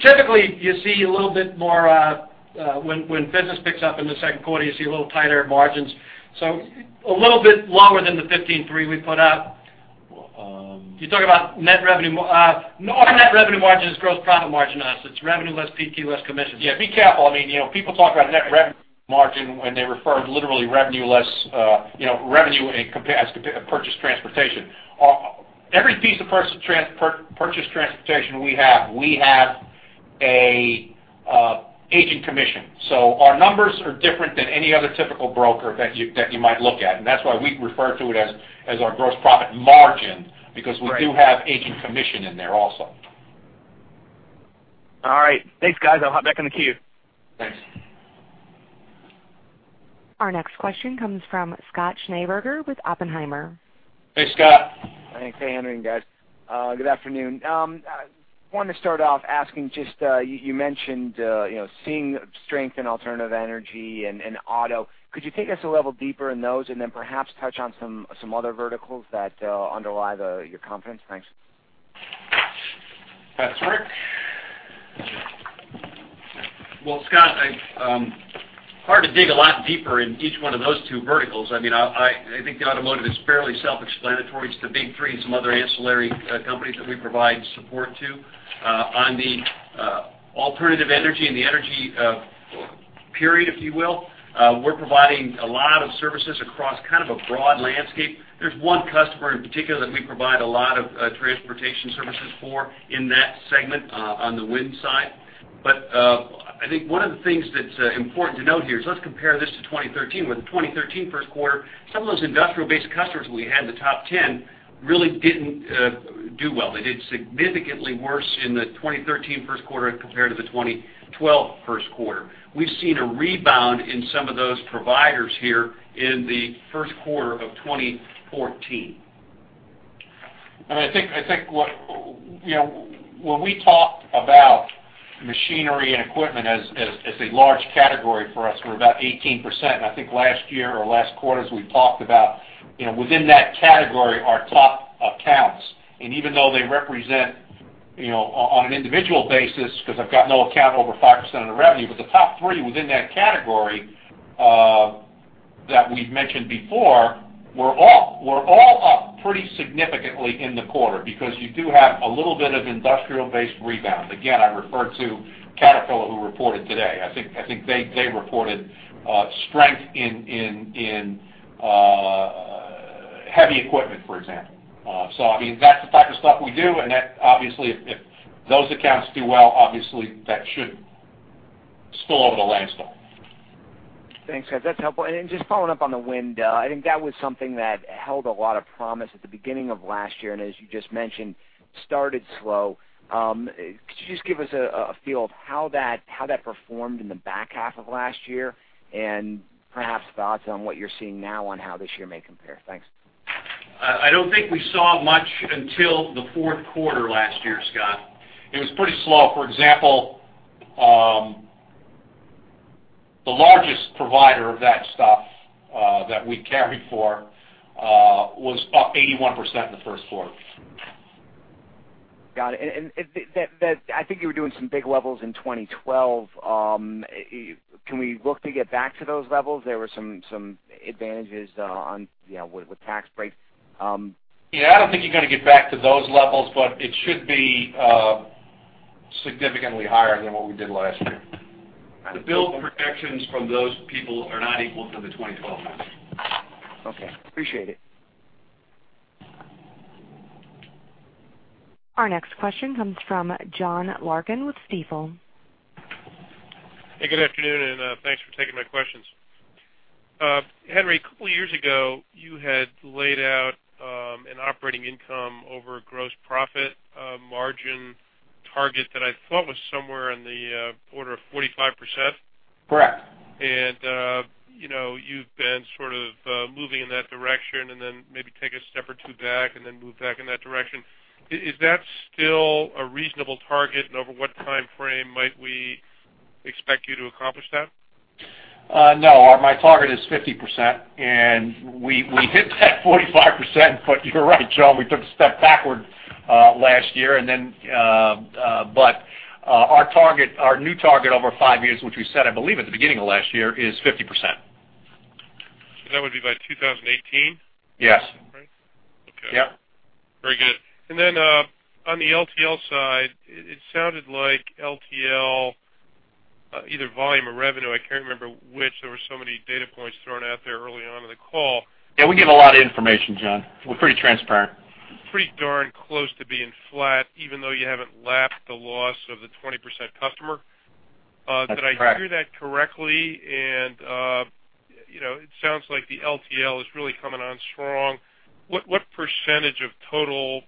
Typically, you see a little bit more when business picks up in the second quarter. You see a little tighter margins, so a little bit lower than the 15.3 we put out. Um- You're talking about net revenue? Our net revenue margin is gross profit margin on us. It's revenue less PT, less commissions. Yeah, be careful. I mean, you know, people talk about net rev margin, and they refer literally revenue less, you know, purchased transportation. Every piece of purchased transportation we have, we have an agent commission. So our numbers are different than any other typical broker that you might look at, and that's why we refer to it as our gross profit margin, because we do have agent commission in there also. All right. Thanks, guys. I'll hop back in the queue. Thanks. Our next question comes from Scott Schneeberger with Oppenheimer. Hey, Scott. Thanks. Hey, Henry and guys, good afternoon. I wanted to start off asking just, you mentioned, you know, seeing strength in alternative energy and auto. Could you take us a level deeper in those and then perhaps touch on some other verticals that underlie your confidence? Thanks. That's right.... Well, Scott, it's hard to dig a lot deeper in each one of those two verticals. I mean, I think the automotive is fairly self-explanatory. It's the Big Three and some other ancillary companies that we provide support to. On the alternative energy and the energy period, if you will, we're providing a lot of services across kind of a broad landscape. There's one customer in particular that we provide a lot of transportation services for in that segment, on the wind side. But I think one of the things that's important to note here is let's compare this to 2013, where the 2013 first quarter, some of those industrial-based customers we had in the top ten really didn't do well. They did significantly worse in the 2013 first quarter compared to the 2012 first quarter. We've seen a rebound in some of those providers here in the first quarter of 2014. And I think what, you know, when we talk about machinery and equipment as a large category for us, we're about 18%. And I think last year or last quarter, as we talked about, you know, within that category, our top accounts, and even though they represent, you know, on an individual basis, because I've got no account over 5% of the revenue, but the top three within that category that we've mentioned before were all up pretty significantly in the quarter because you do have a little bit of industrial-based rebound. Again, I refer to Caterpillar, who reported today. I think they reported strength in heavy equipment, for example. So I mean, that's the type of stuff we do, and that obviously, if those accounts do well, obviously, that should spill over to Landstar. Thanks, guys. That's helpful. And then just following up on the wind, I think that was something that held a lot of promise at the beginning of last year, and as you just mentioned, started slow. Could you just give us a feel of how that performed in the back half of last year, and perhaps thoughts on what you're seeing now on how this year may compare? Thanks. I don't think we saw much until the fourth quarter last year, Scott. It was pretty slow. For example, the largest provider of that stuff, that we carry for, was up 81% in the first quarter. Got it. And that I think you were doing some big levels in 2012. Can we look to get back to those levels? There were some advantages, on, you know, with tax breaks. Yeah, I don't think you're going to get back to those levels, but it should be significantly higher than what we did last year. The build projections from those people are not equal to the 2012 numbers. Okay, appreciate it. Our next question comes from John Larkin with Stifel. Hey, good afternoon, and thanks for taking my questions. Henry, a couple years ago, you had laid out an operating income over gross profit margin target that I thought was somewhere in the quarter of 45%? Correct. You know, you've been sort of moving in that direction and then maybe take a step or two back and then move back in that direction. Is, is that still a reasonable target, and over what time frame might we expect you to accomplish that? No, my target is 50%, and we hit that 45%, but you're right, John, we took a step backward last year, and then but our target, our new target over 5 years, which we set, I believe, at the beginning of last year, is 50%. That would be by 2018? Yes. Right? Okay. Yep. Very good. And then, on the LTL side, it sounded like LTL, either volume or revenue, I can't remember which, there were so many data points thrown out there early on in the call. Yeah, we give a lot of information, John. We're pretty transparent. Pretty darn close to being flat, even though you haven't lapped the loss of the 20% customer. That's correct. Did I hear that correctly? And, you know, it sounds like the LTL is really coming on strong. What percentage of total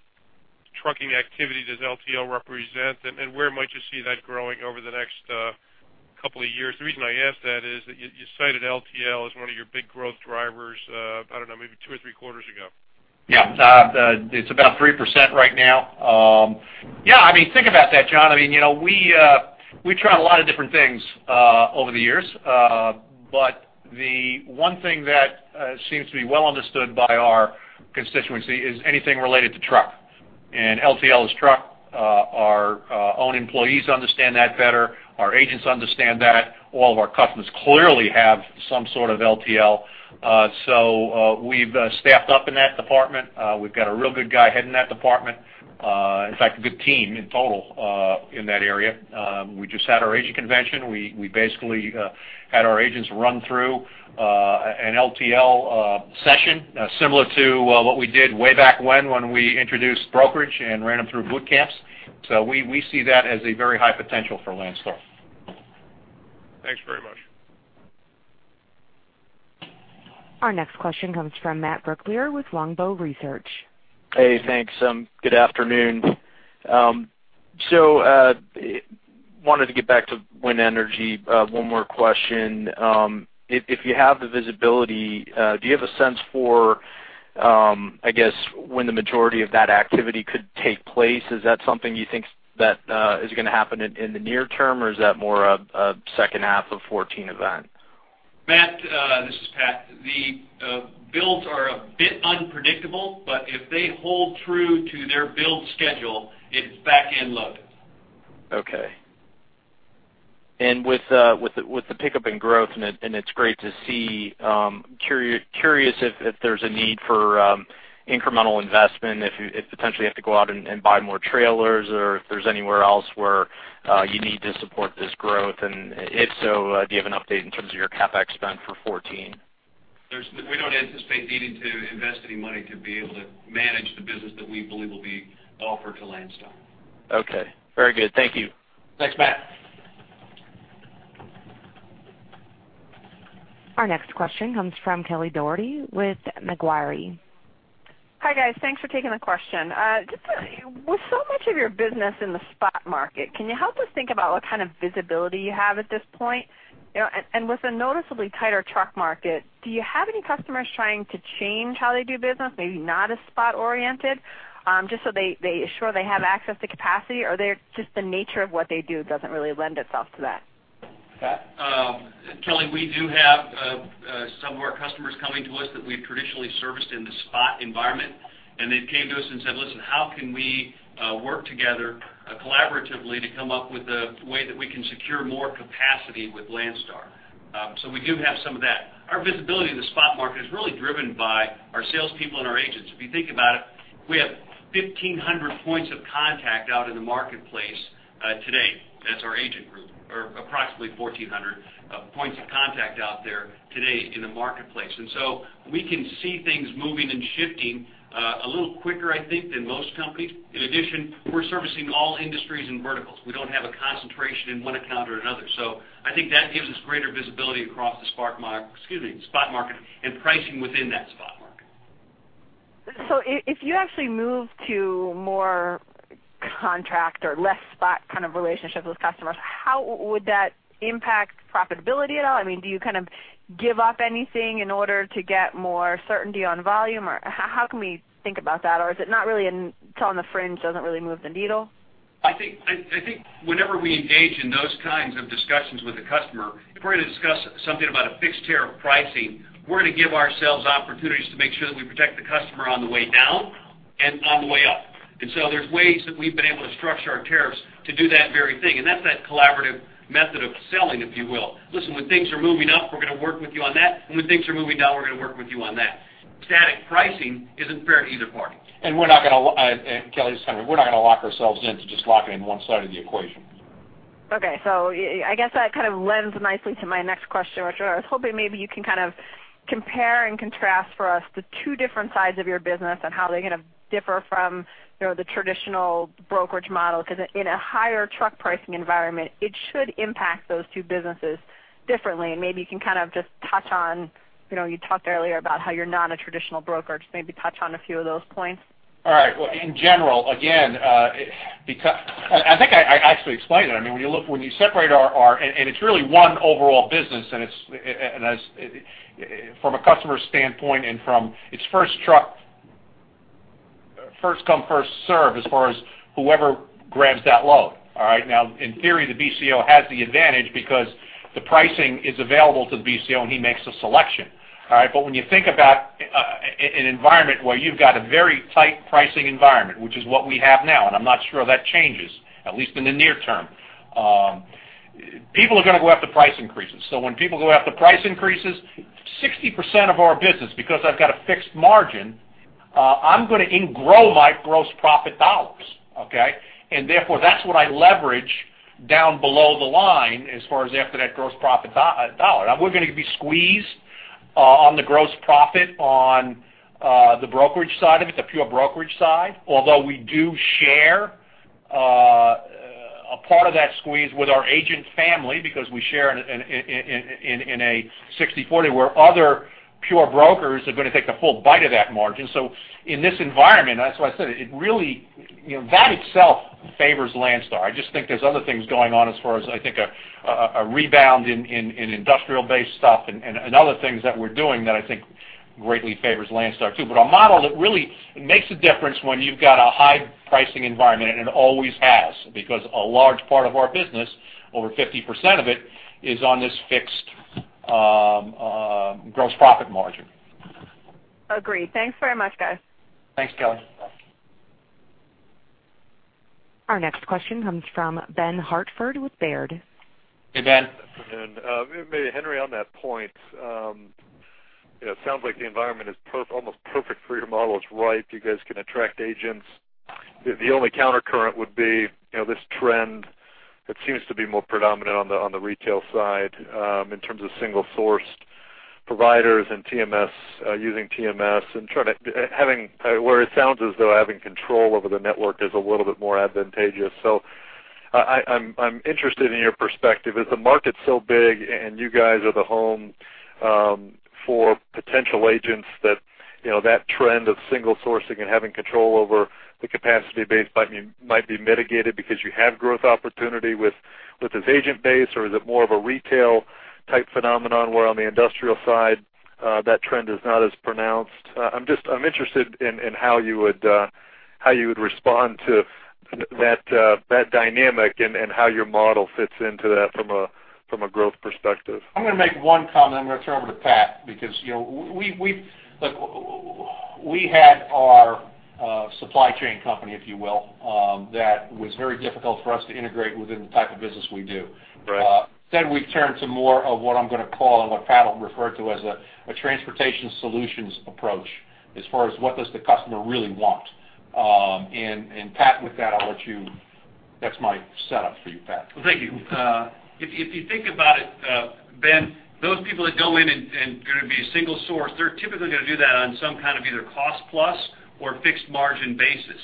trucking activity does LTL represent, and where might you see that growing over the next couple of years? The reason I ask that is that you cited LTL as one of your big growth drivers, I don't know, maybe two or three quarters ago. Yeah. It's about 3% right now. Yeah, I mean, think about that, John. I mean, you know, we tried a lot of different things over the years. But the one thing that seems to be well understood by our constituency is anything related to truck, and LTL is truck. Our own employees understand that better. Our agents understand that. All of our customers clearly have some sort of LTL. So, we've staffed up in that department. We've got a real good guy heading that department, in fact, a good team in total, in that area. We just had our agent convention. We basically had our agents run through an LTL session similar to what we did way back when we introduced brokerage and ran them through boot camps. So we see that as a very high potential for Landstar. Thanks very much. Our next question comes from Matt Brooklier with Longbow Research. Hey, thanks. Good afternoon. Wanted to get back to wind energy. One more question. If you have the visibility, do you have a sense for, I guess, when the majority of that activity could take place? Is that something you think that is going to happen in the near term, or is that more of a second half of 2014 event?... Matt, this is Pat. The builds are a bit unpredictable, but if they hold true to their build schedule, it's back-end loaded. Okay. And with the pickup in growth, and it's great to see, curious if there's a need for incremental investment, if potentially you have to go out and buy more trailers, or if there's anywhere else where you need to support this growth. And if so, do you have an update in terms of your CapEx spend for 2014? We don't anticipate needing to invest any money to be able to manage the business that we believe will be offered to Landstar. Okay, very good. Thank you. Thanks, Matt. Our next question comes from Kelly Dougherty with Macquarie. Hi, guys. Thanks for taking the question. Just, with so much of your business in the spot market, can you help us think about what kind of visibility you have at this point? You know, and with a noticeably tighter truck market, do you have any customers trying to change how they do business, maybe not as spot oriented, just so they, they ensure they have access to capacity, or they're just the nature of what they do doesn't really lend itself to that? Pat? Kelly, we do have some of our customers coming to us that we've traditionally serviced in the spot environment, and they've came to us and said, "Listen, how can we work together collaboratively to come up with a way that we can secure more capacity with Landstar?" So we do have some of that. Our visibility in the spot market is really driven by our salespeople and our agents. If you think about it, we have 1,500 points of contact out in the marketplace today. That's our agent group, or approximately 1,400 points of contact out there today in the marketplace. And so we can see things moving and shifting a little quicker, I think, than most companies. In addition, we're servicing all industries and verticals. We don't have a concentration in one account or another. So I think that gives us greater visibility across the spot market and pricing within that spot market. So if you actually move to more contract or less spot kind of relationship with customers, how would that impact profitability at all? I mean, do you kind of give up anything in order to get more certainty on volume, or how can we think about that? Or is it not really, it's on the fringe, doesn't really move the needle? I think whenever we engage in those kinds of discussions with a customer, if we're going to discuss something about a fixed tariff pricing, we're going to give ourselves opportunities to make sure that we protect the customer on the way down and on the way up. And so there's ways that we've been able to structure our tariffs to do that very thing, and that's that collaborative method of selling, if you will. Listen, when things are moving up, we're going to work with you on that, and when things are moving down, we're going to work with you on that. Static pricing isn't fair to either party. And Kelly, just hang on, we're not going to lock ourselves into just locking in one side of the equation. Okay, so I, I guess that kind of lends nicely to my next question, which I was hoping maybe you can kind of compare and contrast for us the two different sides of your business and how they're going to differ from, you know, the traditional brokerage model. Because in a higher truck pricing environment, it should impact those two businesses differently. And maybe you can kind of just touch on, you know, you talked earlier about how you're not a traditional broker. Just maybe touch on a few of those points. All right. Well, in general, again, I think I actually explained it. I mean, when you look, when you separate our... And it's really one overall business, and as from a customer standpoint and from its first truck, first come, first served, as far as whoever grabs that load. All right? Now, in theory, the BCO has the advantage because the pricing is available to the BCO, and he makes a selection. All right? But when you think about an environment where you've got a very tight pricing environment, which is what we have now, and I'm not sure that changes, at least in the near term, people are going to go after price increases. So when people go after price increases, 60% of our business, because I've got a fixed margin, I'm going to in-grow my gross profit dollars, okay? And therefore, that's what I leverage down below the line as far as after that gross profit dollar. Now, we're going to be squeezed on the gross profit on the brokerage side of it, the pure brokerage side. Although we do share a part of that squeeze with our agent family, because we share in a 60/40, where other pure brokers are going to take the full bite of that margin. So in this environment, that's why I said it, it really, you know, that itself favors Landstar. I just think there's other things going on as far as, I think, a rebound in industrial-based stuff and other things that we're doing that I think greatly favors Landstar, too. But our model, it really makes a difference when you've got a high pricing environment, and it always has, because a large part of our business, over 50% of it, is on this fixed gross profit margin. Agreed. Thanks very much, guys. Thanks, Kelly. Our next question comes from Ben Hartford with Baird. Hey, Ben. Good morning. Maybe, Henry, on that point, you know, it sounds like the environment is almost perfect for your model. It's ripe. You guys can attract agents. The only countercurrent would be, you know, this trend that seems to be more predominant on the retail side in terms of single-sourced providers and TMS, using TMS and trying to having where it sounds as though having control over the network is a little bit more advantageous. So I'm interested in your perspective. Is the market so big, and you guys are the home for potential agents that, you know, that trend of single sourcing and having control over the capacity base might be mitigated because you have growth opportunity with this agent base? Or is it more of a retail-type phenomenon, where on the industrial side, that trend is not as pronounced? I'm just interested in how you would respond to that dynamic and how your model fits into that from a growth perspective? I'm going to make one comment. I'm going to turn over to Pat, because, you know, look, we had our supply chain company, if you will, that was very difficult for us to integrate within the type of business we do. Right. Then we turned to more of what I'm going to call, and what Pat will refer to as a transportation solutions approach, as far as what does the customer really want. And Pat, with that, I'll let you... That's my setup for you, Pat. Well, thank you. If you think about it, Ben, those people that go in and are going to be a single source, they're typically going to do that on some kind of either cost plus or fixed margin basis.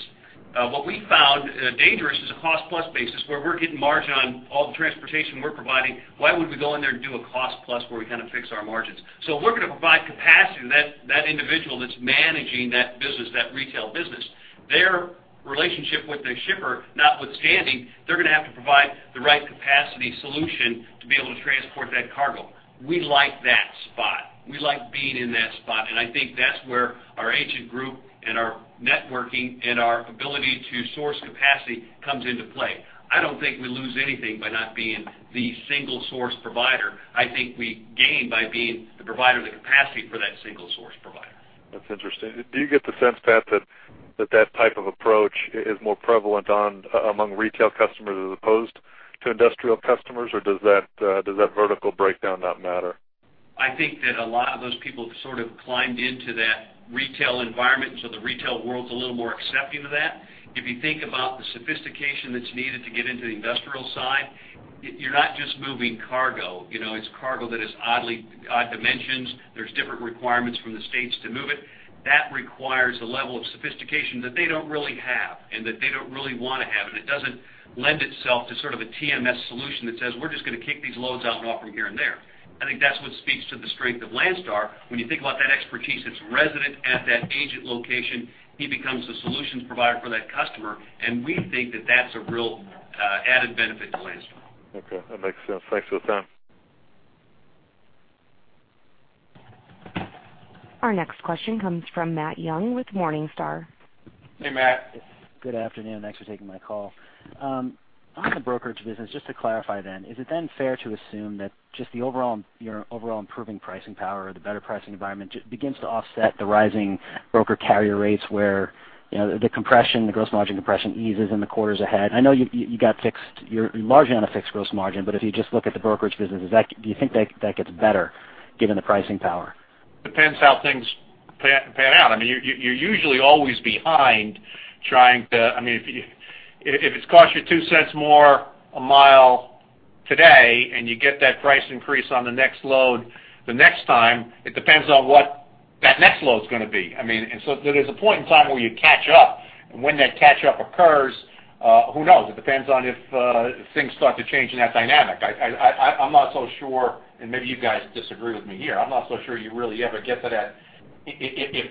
What we found dangerous is a cost plus basis, where we're getting margin on all the transportation we're providing. Why would we go in there and do a cost plus, where we kind of fix our margins? So if we're going to provide capacity to that individual that's managing that business, that retail business, their relationship with the shipper notwithstanding, they're going to have to provide the right capacity solution to be able to transport that cargo. We like that spot. We like being in that spot, and I think that's where our agent group and our networking and our ability to source capacity comes into play. I don't think we lose anything by not being the single source provider. I think we gain by being the provider of the capacity for that single source provider. That's interesting. Do you get the sense, Pat, that that type of approach is more prevalent among retail customers, as opposed to industrial customers? Or does that vertical breakdown not matter? I think that a lot of those people have sort of climbed into that retail environment, so the retail world's a little more accepting of that. If you think about the sophistication that's needed to get into the industrial side, you're not just moving cargo, you know, it's cargo that is oddly, odd dimensions. There's different requirements from the states to move it. That requires a level of sophistication that they don't really have and that they don't really want to have, and it doesn't lend itself to sort of a TMS solution that says, "We're just going to kick these loads out and offer them here and there." I think that's what speaks to the strength of Landstar. When you think about that expertise that's resident at that agent location, he becomes the solutions provider for that customer, and we think that that's a real added benefit to Landstar. Okay, that makes sense. Thanks for the time. Our next question comes from Matt Young, with Morningstar. Hey, Matt. Good afternoon. Thanks for taking my call. On the brokerage business, just to clarify then, is it then fair to assume that just the overall, your overall improving pricing power or the better pricing environment begins to offset the rising broker carrier rates, where, you know, the compression, the gross margin compression eases in the quarters ahead? I know you, you're largely on a fixed gross margin, but if you just look at the brokerage business, does that, do you think that, that gets better given the pricing power? Depends how things pan out. I mean, you're usually always behind, trying to... I mean, if it's cost you $0.02 more a mile today, and you get that price increase on the next load the next time, it depends on what that next load is going to be. I mean, and so there's a point in time where you catch up. And when that catch up occurs, who knows? It depends on if things start to change in that dynamic. I'm not so sure, and maybe you guys disagree with me here. I'm not so sure you really ever get to that. If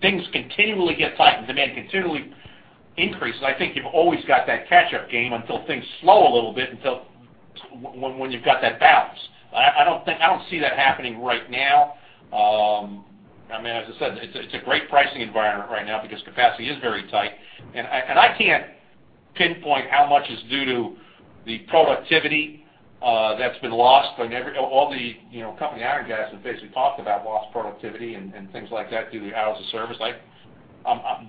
things continually get tight and demand continually increases, I think you've always got that catch-up game until things slow a little bit, until when you've got that balance. I don't think—I don't see that happening right now. I mean, as I said, it's a, it's a great pricing environment right now because capacity is very tight. And I can't pinpoint how much is due to the productivity that's been lost. I mean, every, all the, you know, company, our guys have basically talked about lost productivity and things like that through the hours of service.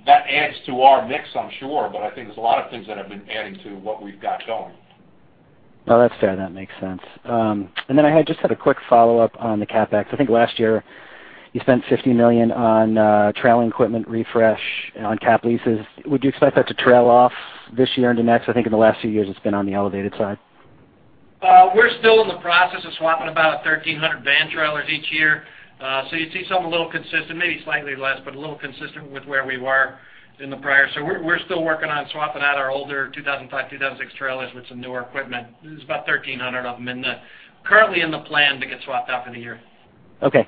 That adds to our mix, I'm sure, but I think there's a lot of things that have been adding to what we've got going. Well, that's fair. That makes sense. And then I had just had a quick follow-up on the CapEx. I think last year you spent $50 million on trailer equipment refresh on cap leases. Would you expect that to trail off this year into next? I think in the last few years, it's been on the elevated side. We're still in the process of swapping about 1,300 van trailers each year. So you see something a little consistent, maybe slightly less, but a little consistent with where we were in the prior. So we're still working on swapping out our older 2005, 2006 trailers with some newer equipment. There's about 1,300 of them currently in the plan to get swapped out for the year. Okay,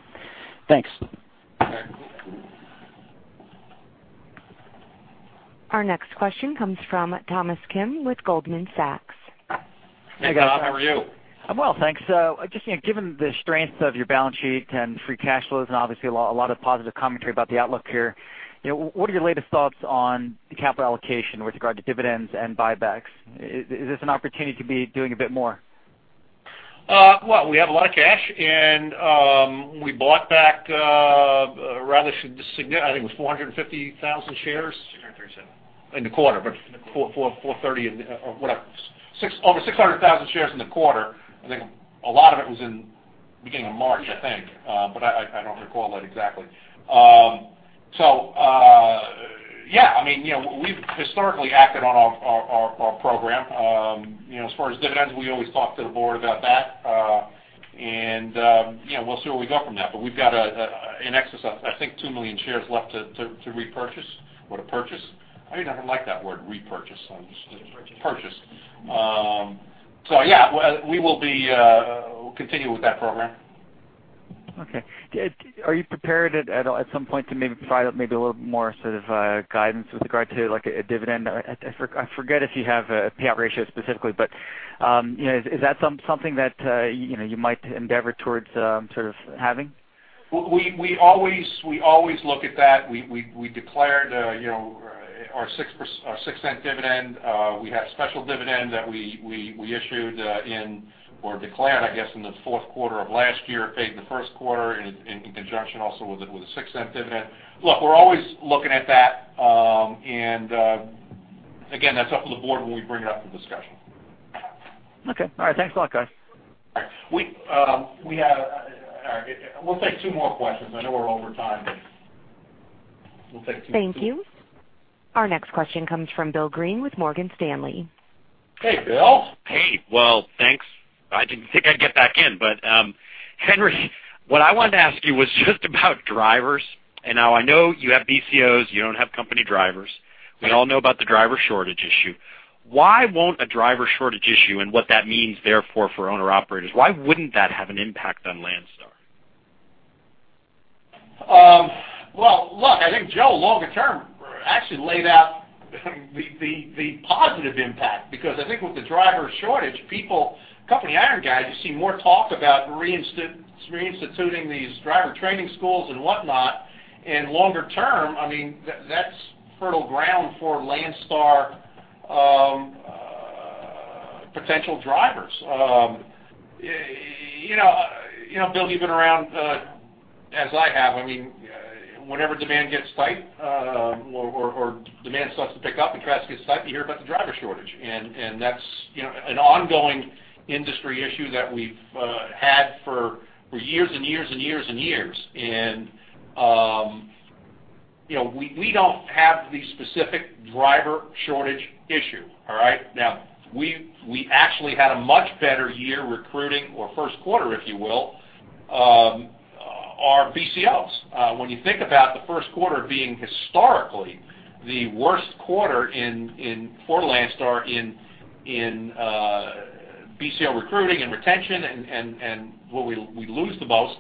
thanks. All right. Our next question comes from Thomas Kim with Goldman Sachs. Hey, Tom, how are you? I'm well, thanks. So just, you know, given the strength of your balance sheet and free cash flows and obviously a lot of positive commentary about the outlook here, you know, what are your latest thoughts on the capital allocation with regard to dividends and buybacks? Is this an opportunity to be doing a bit more? Well, we have a lot of cash, and we bought back. I think it was 450,000 shares- 637. In the quarter, In the quarter. 4, 4.30 or whatever. Over 600,000 shares in the quarter. I think a lot of it was in the beginning of March, I think, but I don't recall that exactly. So, yeah, I mean, you know, we've historically acted on our program. You know, as far as dividends, we always talk to the board about that. And, you know, we'll see where we go from that. But we've got in excess, I think, two million shares left to repurchase or to purchase. I don't even like that word, repurchase. Just- Purchase. Purchase. So yeah, we will be, we'll continue with that program. Okay. Are you prepared at all, at some point to maybe provide maybe a little bit more sort of guidance with regard to, like, a dividend? I forget if you have a payout ratio specifically, but you know, is that something that you know, you might endeavor towards sort of having? We always look at that. We declared, you know, our $0.06 dividend. We had special dividend that we issued or declared, I guess, in the fourth quarter of last year, paid in the first quarter, in conjunction also with the $0.06 dividend. Look, we're always looking at that. Again, that's up to the board when we bring it up for discussion. Okay, all right. Thanks a lot, guys. All right. We have... All right, we'll take two more questions. I know we're over time, but we'll take two. Thank you. Our next question comes from Bill Greene with Morgan Stanley. Hey, Bill. Hey. Well, thanks. I didn't think I'd get back in, but, Henry, what I wanted to ask you was just about drivers. And now I know you have BCOs, you don't have company drivers. We all know about the driver shortage issue. Why won't a driver shortage issue and what that means, therefore, for owner-operators, why wouldn't that have an impact on Landstar? Well, look, I think Joe, longer term, actually laid out the positive impact, because I think with the driver shortage, people, company-run guys, you see more talk about reinstituting these driver training schools and whatnot. And longer term, I mean, that's fertile ground for Landstar, potential drivers. You know, you know, Bill, you've been around, as I have. I mean, whenever demand gets tight, or demand starts to pick up and traffic gets tight, you hear about the driver shortage. And that's, you know, an ongoing industry issue that we've had for years and years and years and years. And you know, we don't have the specific driver shortage issue. All right? Now, we've actually had a much better year recruiting, or first quarter, if you will, our BCOs. When you think about the first quarter being historically the worst quarter in for Landstar in BCO recruiting and retention and where we lose the most,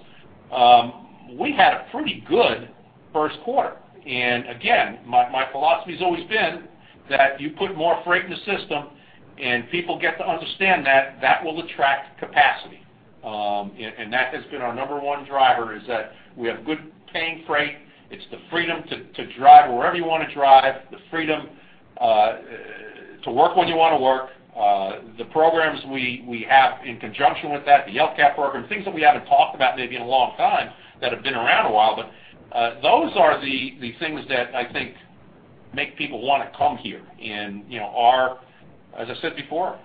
we had a pretty good first quarter. And again, my philosophy has always been that you put more freight in the system, and people get to understand that will attract capacity. And that has been our number one driver, is that we have good paying freight. It's the freedom to drive wherever you want to drive, the freedom to work when you want to work, the programs we have in conjunction with that, the LCAPP program, things that we haven't talked about maybe in a long time, that have been around a while. But those are the things that I think make people want to come here. And, you know, our, as I said before,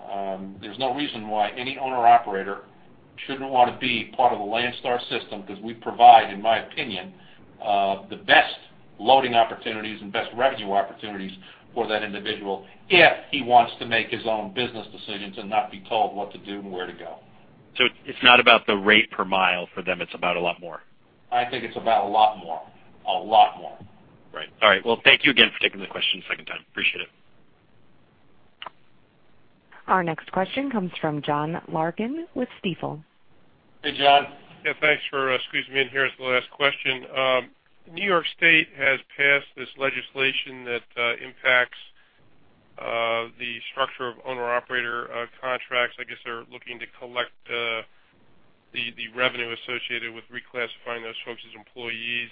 there's no reason why any owner-operator shouldn't want to be part of the Landstar system, because we provide, in my opinion, the best loading opportunities and best revenue opportunities for that individual if he wants to make his own business decisions and not be told what to do and where to go. It's not about the rate per mile for them, it's about a lot more? I think it's about a lot more. A lot more. Right. All right, well, thank you again for taking the question a second time. Appreciate it. Our next question comes from John Larkin with Stifel. Hey, John. Yeah, thanks for squeezing me in here as the last question. New York State has passed this legislation that impacts the structure of owner-operator contracts. I guess they're looking to collect the revenue associated with reclassifying those folks as employees.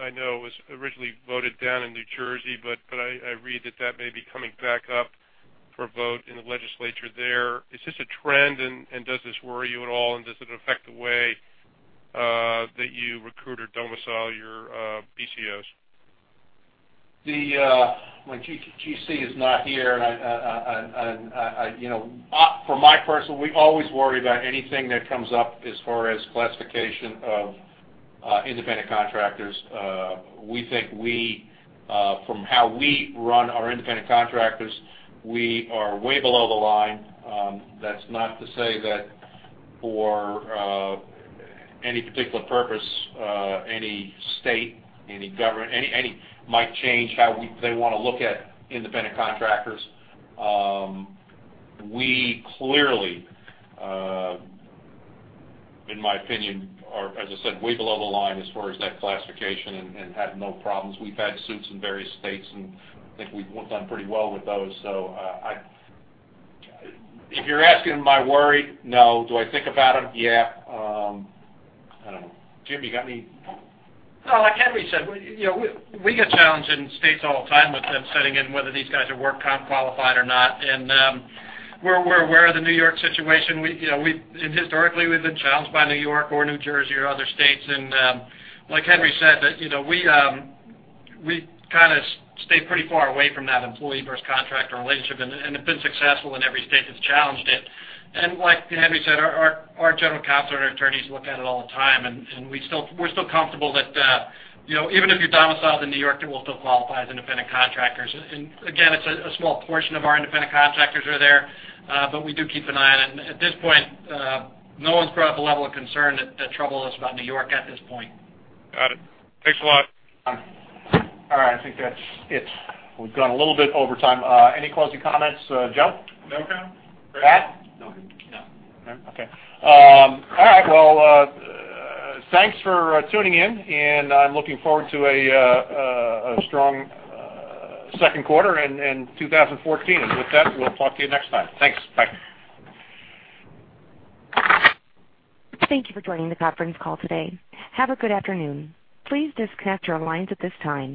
I know it was originally voted down in New Jersey, but I read that that may be coming back up for a vote in the legislature there. Is this a trend, and does this worry you at all, and does it affect the way that you recruit or domicile your BCOs? My GC is not here, and you know, for my personal, we always worry about anything that comes up as far as classification of independent contractors. We think we, from how we run our independent contractors, we are way below the line. That's not to say that for any particular purpose, any state, any government, any might change how we- they want to look at independent contractors. We clearly, in my opinion, are, as I said, way below the line as far as that classification and have no problems. We've had suits in various states, and I think we've done pretty well with those. So, I... If you're asking, am I worried? No. Do I think about them? Yeah. I don't know. Jim, you got any- No, like Henry said, we, you know, get challenged in states all the time with them setting in whether these guys are work comp qualified or not. And, we're aware of the New York situation. We, you know, historically, we've been challenged by New York or New Jersey or other states. And, like Henry said, you know, we kind of stay pretty far away from that employee versus contractor relationship and have been successful in every state that's challenged it. And like Henry said, our general counsel and our attorneys look at it all the time, and we still— we're still comfortable that, you know, even if you're domiciled in New York, it will still qualify as independent contractors. Again, it's a small portion of our independent contractors are there, but we do keep an eye on it. At this point, no one's brought up a level of concern that trouble us about New York at this point. Got it. Thanks a lot. All right, I think that's it. We've gone a little bit over time. Any closing comments, Joe? No, sir. Pat? No, no. Okay. All right. Well, thanks for tuning in, and I'm looking forward to a strong second quarter in 2014. And with that, we'll talk to you next time. Thanks. Bye. Thank you for joining the conference call today. Have a good afternoon. Please disconnect your lines at this time.